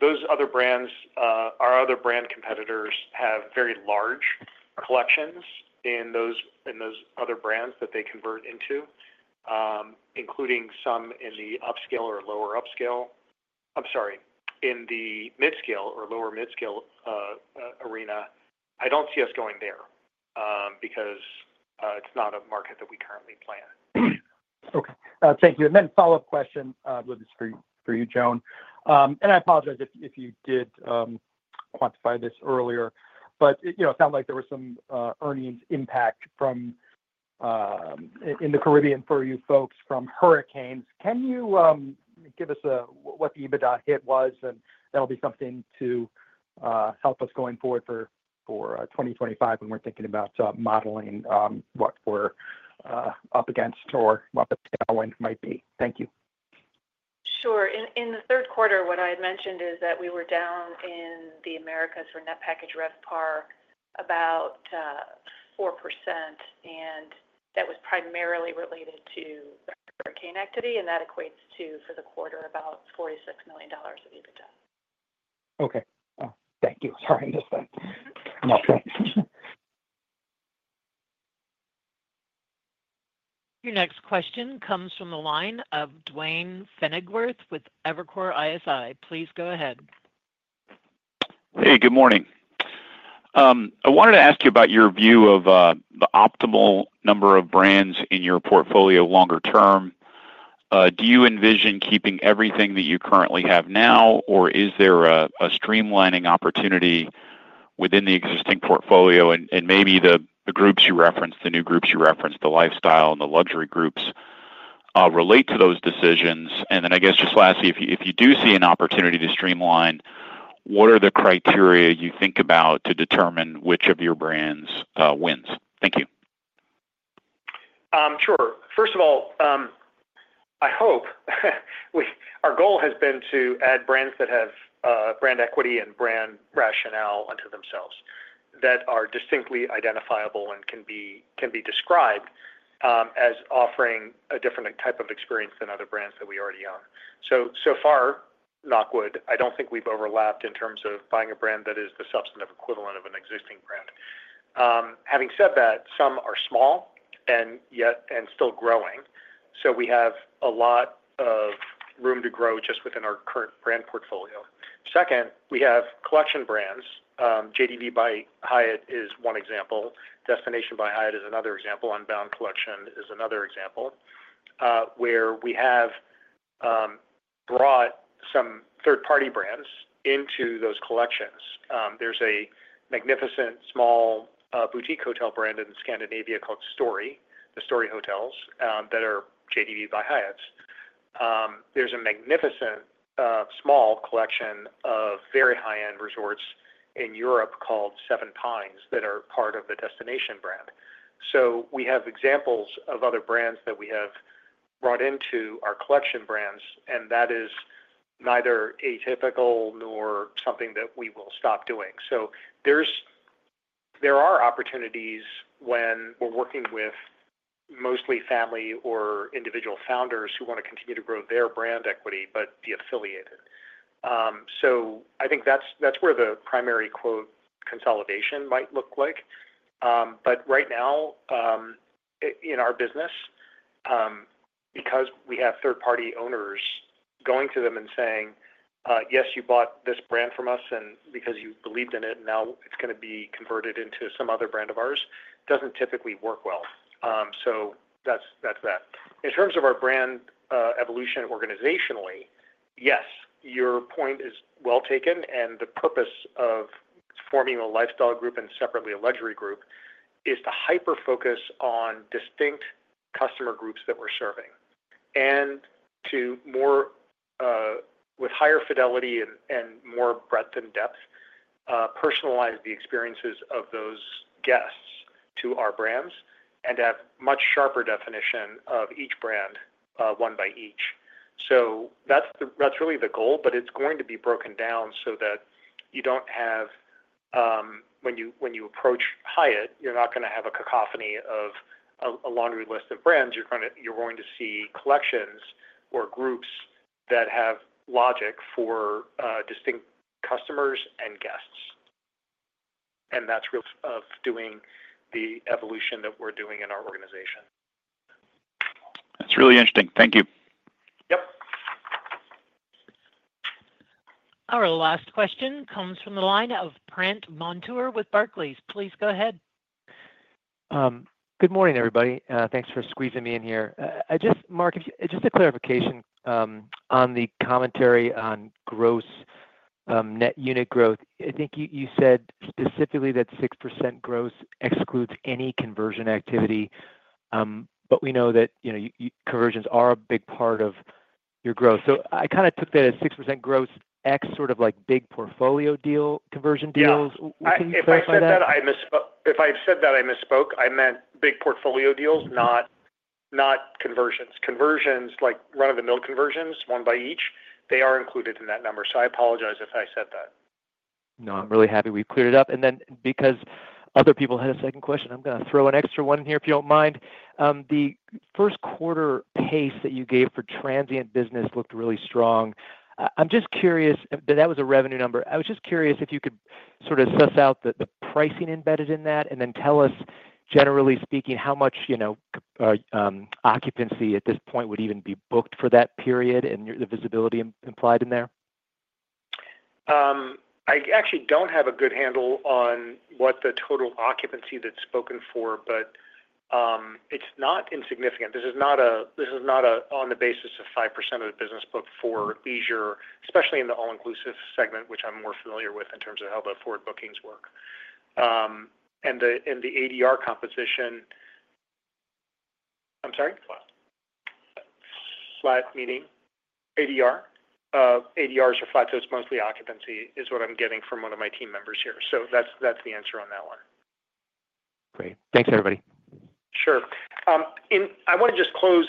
Those other brands, our other brand competitors have very large collections in those other brands that they convert into, including some in the upscale or lower upscale. I'm sorry, in the midscale or lower midscale arena. I don't see us going there because it's not a market that we currently plan. Okay. Thank you. And then follow-up question for you, Joan. And I apologize if you did quantify this earlier, but it sounds like there was some earnings impact in the Caribbean for you folks from hurricanes. Can you give us what the EBITDA hit was? And that'll be something to help us going forward for 2025 when we're thinking about modeling what we're up against or what the downwind might be. Thank you. Sure. In the Q3, what I had mentioned is that we were down in the Americas for Net Package RevPAR about 4%, and that was primarily related to the hurricane activity. And that equates to, for the quarter, about $46 million of EBITDA. Okay. Thank you. Sorry, I missed that. Okay. Your next question comes from the line of Duane Pfennigwerth with Evercore ISI. Please go ahead. Hey, good morning. I wanted to ask you about your view of the optimal number of brands in your portfolio longer term. Do you envision keeping everything that you currently have now, or is there a streamlining opportunity within the existing portfolio? And maybe the groups you referenced, the new groups you referenced, the lifestyle and the luxury groups relate to those decisions. And then I guess just lastly, if you do see an opportunity to streamline, what are the criteria you think about to determine which of your brands wins? Thank you. Sure. First of all, I hope our goal has been to add brands that have brand equity and brand rationale unto themselves that are distinctly identifiable and can be described as offering a different type of experience than other brands that we already own. So far, knock wood, I don't think we've overlapped in terms of buying a brand that is the substantive equivalent of an existing brand. Having said that, some are small and still growing. So we have a lot of room to grow just within our current brand portfolio. Second, we have collection brands. JdV by Hyatt is one example. Destination by Hyatt is another example. Unbound Collection is another example where we have brought some third-party brands into those collections. There's a magnificent small boutique hotel brand in Scandinavia called Story, the Story Hotels, that are JdV by Hyatt. There's a magnificent small collection of very high-end resorts in Europe called 7Pines that are part of the Destination brand. So we have examples of other brands that we have brought into our collection brands, and that is neither atypical nor something that we will stop doing. So there are opportunities when we're working with mostly family or individual founders who want to continue to grow their brand equity, but be affiliated. So I think that's where the primary acquisition might look like. But right now, in our business, because we have third-party owners going to them and saying, "Yes, you bought this brand from us, and because you believed in it, now it's going to be converted into some other brand of ours," doesn't typically work well. So that's that. In terms of our brand evolution organizationally, yes, your point is well taken. And the purpose of forming a lifestyle group and separately a luxury group is to hyper-focus on distinct customer groups that we're serving and to, with higher fidelity and more breadth and depth, personalize the experiences of those guests to our brands and have a much sharper definition of each brand one by each. So that's really the goal, but it's going to be broken down so that you don't have, when you approach Hyatt, you're not going to have a cacophony of a laundry list of brands. You're going to see collections or groups that have logic for distinct customers and guests. And that's really of doing the evolution that we're doing in our organization. That's really interesting. Thank you. Yep. Our last question comes from the line of Brent Montour with Barclays. Please go ahead. Good morning, everybody. Thanks for squeezing me in here. Mark, just a clarification on the commentary on net unit growth. I think you said specifically that 6% growth excludes any conversion activity, but we know that conversions are a big part of your growth. So I kind of took that as 6% growth ex sort of like big portfolio deal conversion deals. Can you clarify that? If I've said that I misspoke, I meant big portfolio deals, not conversions. Conversions, like run-of-the-mill conversions, one by one, they are included in that number. So I apologize if I said that. No, I'm really happy we cleared it up. And then because other people had a second question, I'm going to throw an extra one in here if you don't mind. The Q1 pace that you gave for transient business looked really strong. I'm just curious. That was a revenue number. I was just curious if you could sort of suss out the pricing embedded in that and then tell us, generally speaking, how much occupancy at this point would even be booked for that period and the visibility implied in there? I actually don't have a good handle on what the total occupancy that's spoken for, but it's not insignificant. This is not on the basis of 5% of the business book for leisure, especially in the all-inclusive segment, which I'm more familiar with in terms of how the forward bookings work. And the ADR composition, I'm sorry? Flat meaning ADR. ADRs or flats, so it's mostly occupancy is what I'm getting from one of my team members here. So that's the answer on that one. Great. Thanks, everybody. Sure. I want to just close,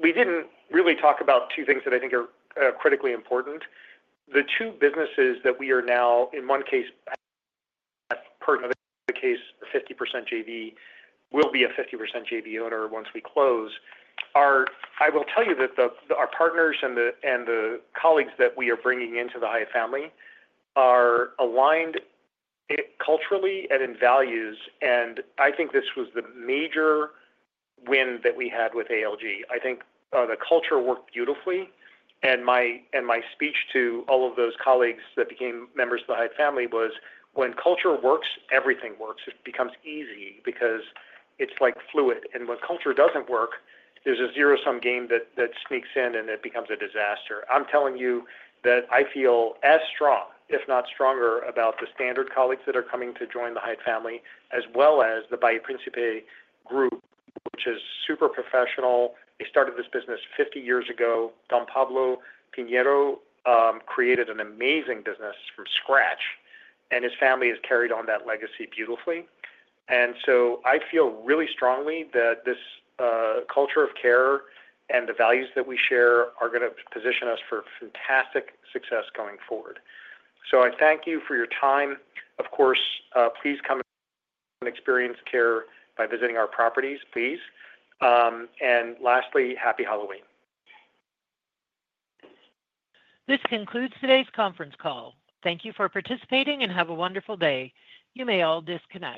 we didn't really talk about two things that I think are critically important. The two businesses that we are now, in one case, part of the case, 50% JV, will be a 50% JV owner once we close. I will tell you that our partners and the colleagues that we are bringing into the Hyatt family are aligned culturally and in values. And I think this was the major win that we had with ALG. I think the culture worked beautifully. And my speech to all of those colleagues that became members of the Hyatt family was, "When culture works, everything works. It becomes easy because it's fluid. And when culture doesn't work, there's a zero-sum game that sneaks in, and it becomes a disaster." I'm telling you that I feel as strong, if not stronger, about the Standard colleagues that are coming to join the Hyatt family as well as the Bahia Principe group, which is super professional. They started this business 50 years ago. Don Pablo Piñero This concludes today's conference call. Thank you for participating and have a wonderful day. You may all disconnect.